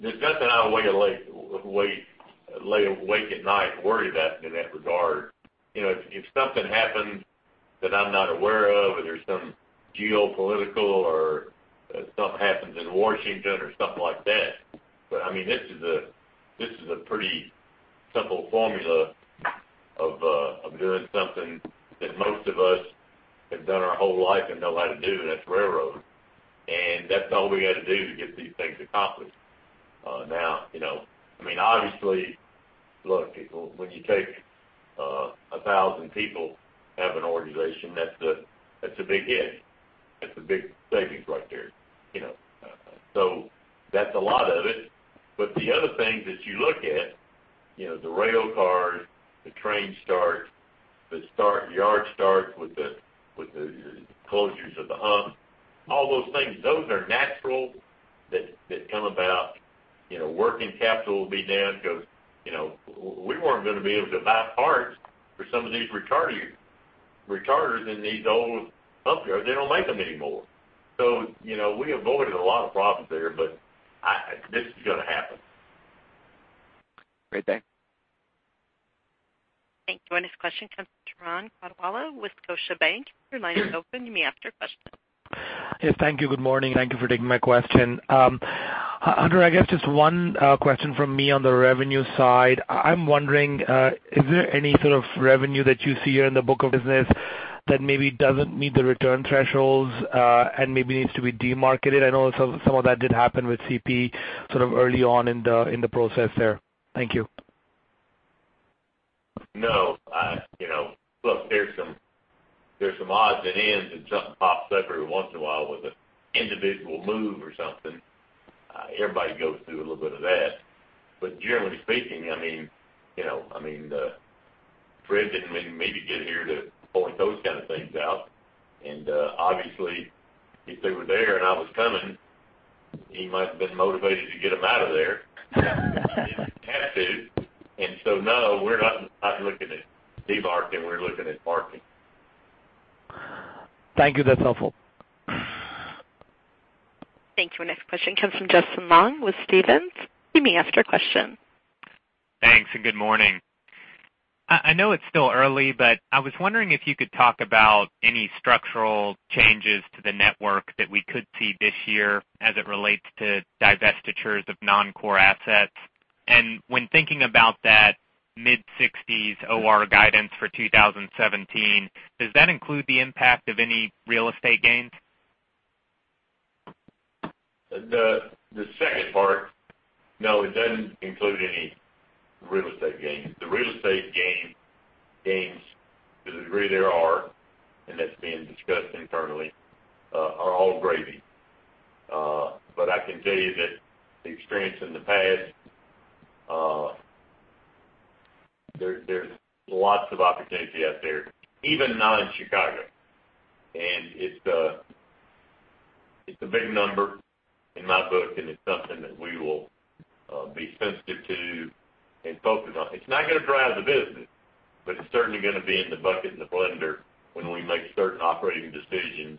there's nothing I want to lay awake at night and worry about in that regard. You know, if something happens that I'm not aware of, or there's some geopolitical or something happens in Washington or something like that, but I mean, this is a pretty simple formula of doing something that most of us have done our whole life and know how to do, and that's railroad. And that's all we got to do to get these things accomplished. Now, you know, I mean, obviously, look, people, when you take 1,000 people out of an organization, that's a big hit. That's a big savings right there, you know, so that's a lot of it. But the other things that you look at, you know, the rail cars, the train starts, the yard starts with the closures of the hump, all those things, those are natural that come about. You know, working capital will be down because, you know, we weren't going to be able to buy parts for some of these retarders in these old hump yards. They don't make them anymore. So, you know, we avoided a lot of problems there, but this is going to happen. Great, thanks. Thank you. Our next question comes from Turan Quettawala with Scotiabank. Your line is open. You may ask your question. Yes, thank you. Good morning, and thank you for taking my question. Hunter, I guess just one question from me on the revenue side. I'm wondering, is there any sort of revenue that you see here in the book of business that maybe doesn't meet the return thresholds, and maybe needs to be demarketed? I know some of that did happen with CP, sort of early on in the process there. Thank you. No. You know, look, there's some, there's some odds and ends, and something pops up every once in a while with an individual move or something. Everybody goes through a little bit of that. But generally speaking, I mean, you know, I mean, Fred didn't mean for me to get here to point those kind of things out. And obviously, if they were there and I was coming, he might have been motivated to get them out of there. Had to. And so, no, we're not, not looking at de-marking. We're looking at marking. Thank you. That's helpful. Thank you. Our next question comes from Justin Long with Stephens. You may ask your question. Thanks, and good morning. I know it's still early, but I was wondering if you could talk about any structural changes to the network that we could see this year as it relates to divestitures of non-core assets. And when thinking about that mid-60s OR guidance for 2017, does that include the impact of any real estate gains? The second part, no, it doesn't include any real estate gains. The real estate gains, to the degree there are, and that's being discussed internally, are all gravy. But I can tell you that the experience in the past, there's lots of opportunity out there, even now in Chicago. And it's a big number in my book, and it's something that we will be sensitive to and focus on. It's not gonna drive the business, but it's certainly gonna be in the bucket, in the blender, when we make certain operating decisions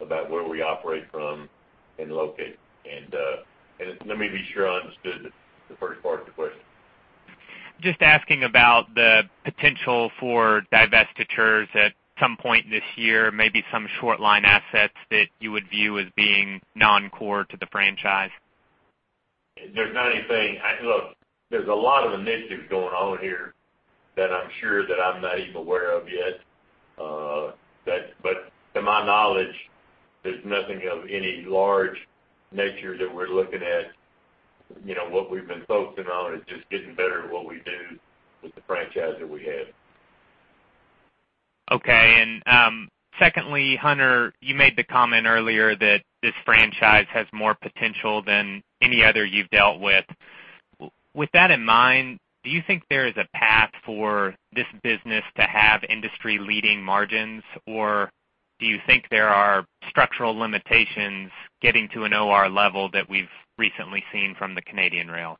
about where we operate from and locate. And let me be sure I understood the first part of the question. Just asking about the potential for divestitures at some point this year, maybe some short line assets that you would view as being non-core to the franchise. There's not anything... look, there's a lot of initiatives going on here that I'm sure that I'm not even aware of yet. But to my knowledge, there's nothing of any large nature that we're looking at. You know, what we've been focusing on is just getting better at what we do with the franchise that we have. Okay. And, secondly, Hunter, you made the comment earlier that this franchise has more potential than any other you've dealt with. With that in mind, do you think there is a path for this business to have industry-leading margins? Or do you think there are structural limitations getting to an OR level that we've recently seen from the Canadian rail?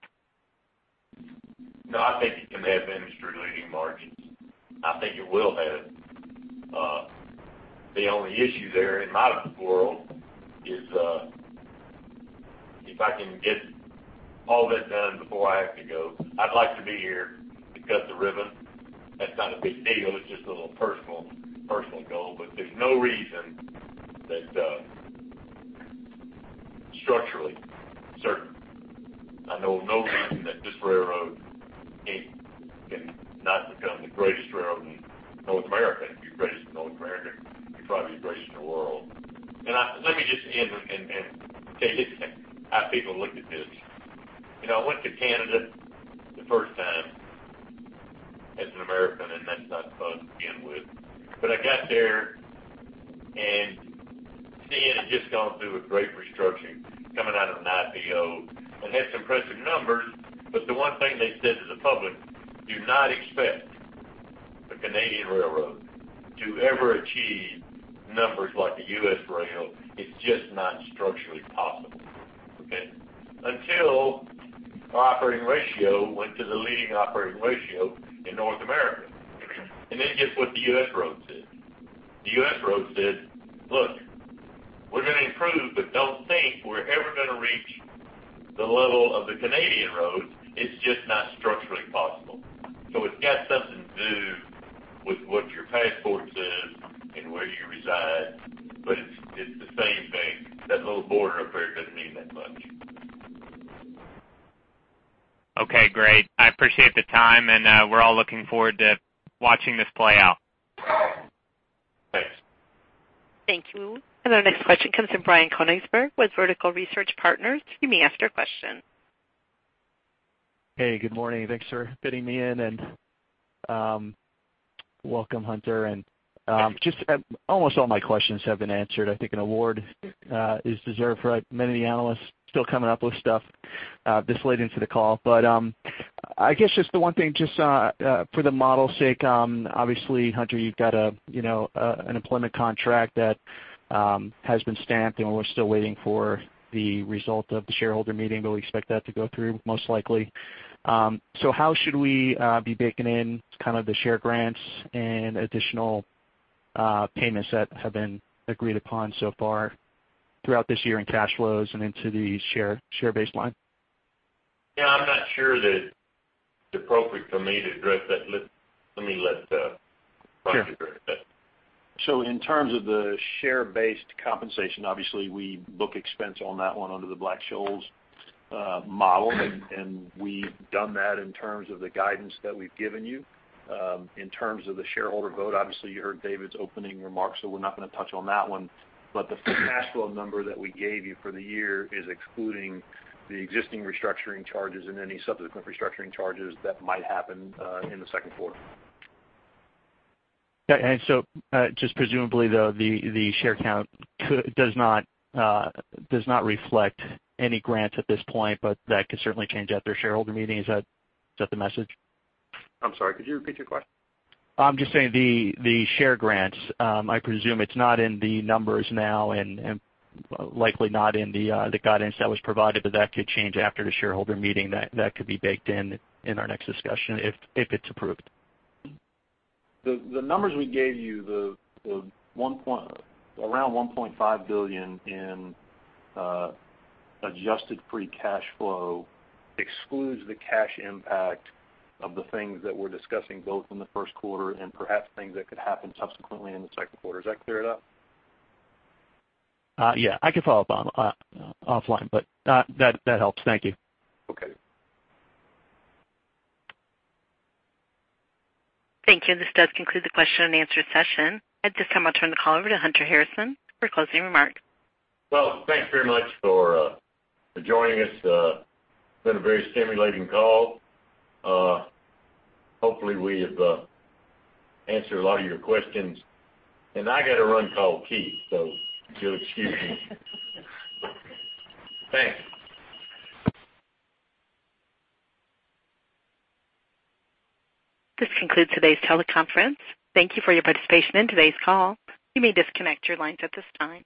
No, I think it can have industry-leading margins. I think it will have. The only issue there in my world is if I can get all that done before I have to go. I'd like to be here to cut the ribbon. That's not a big deal, it's just a little personal, personal goal. But there's no reason that structurally certain. I know of no reason that this railroad can't, can not become the greatest railroad in North America. If you're greatest in North America, you'd probably be the greatest in the world. And let me just end and say this, how people looked at this. You know, I went to Canada the first time as an American, and that's not fun to begin with. But I got there, and CN had just gone through a great restructuring, coming out of an IPO, and had some impressive numbers. But the one thing they said to the public: "Do not expect a Canadian railroad to ever achieve numbers like a US railroad. It's just not structurally possible." And until our operating ratio went to the leading operating ratio in North America, and then guess what the US roads said? The US roads said: "Look, we're gonna improve, but don't think we're ever gonna reach the level of the Canadian roads. It's just not structurally possible." So it's got something to do with what your passport says and where you reside, but it's, it's the same thing. That little border up there doesn't mean that much. Okay, great. I appreciate the time, and we're all looking forward to watching this play out. Thanks. Thank you. And our next question comes from Brian Konigsberg with Vertical Research Partners. You may ask your question. Hey, good morning. Thanks for fitting me in, and welcome, Hunter. Just, almost all my questions have been answered. I think an award is deserved for many of the analysts still coming up with stuff this late into the call. But I guess just the one thing, just for the model's sake, obviously, Hunter, you've got a, you know, an employment contract that has been stamped, and we're still waiting for the result of the shareholder meeting, but we expect that to go through, most likely. So how should we be baking in kind of the share grants and additional payments that have been agreed upon so far throughout this year in cash flows and into the share, share baseline? Yeah, I'm not sure that it's appropriate for me to address that. Let me let Roger address that. Sure. So in terms of the share-based compensation, obviously, we book expense on that one under the Black-Scholes model. And we've done that in terms of the guidance that we've given you. In terms of the shareholder vote, obviously, you heard David's opening remarks, so we're not gonna touch on that one. But the cash flow number that we gave you for the year is excluding the existing restructuring charges and any subsequent restructuring charges that might happen in the second quarter. Yeah, and so, just presumably, though, the share count could, does not reflect any grants at this point, but that could certainly change after the shareholder meeting. Is that, is that the message? I'm sorry, could you repeat your question? I'm just saying the share grants, I presume it's not in the numbers now and likely not in the guidance that was provided, but that could change after the shareholder meeting. That could be baked in our next discussion if it's approved. The numbers we gave you, around $1.5 billion in adjusted free cash flow, excludes the cash impact of the things that we're discussing, both in the first quarter and perhaps things that could happen subsequently in the second quarter. Does that clear it up? Yeah, I can follow up offline, but that helps. Thank you. Okay. Thank you. This does conclude the question and answer session. At this time, I'll turn the call over to Hunter Harrison for closing remarks. Well, thanks very much for joining us. It's been a very stimulating call. Hopefully, we have answered a lot of your questions. And I gotta run, call Keith, so if you'll excuse me. Thank you. This concludes today's teleconference. Thank you for your participation in today's call. You may disconnect your lines at this time.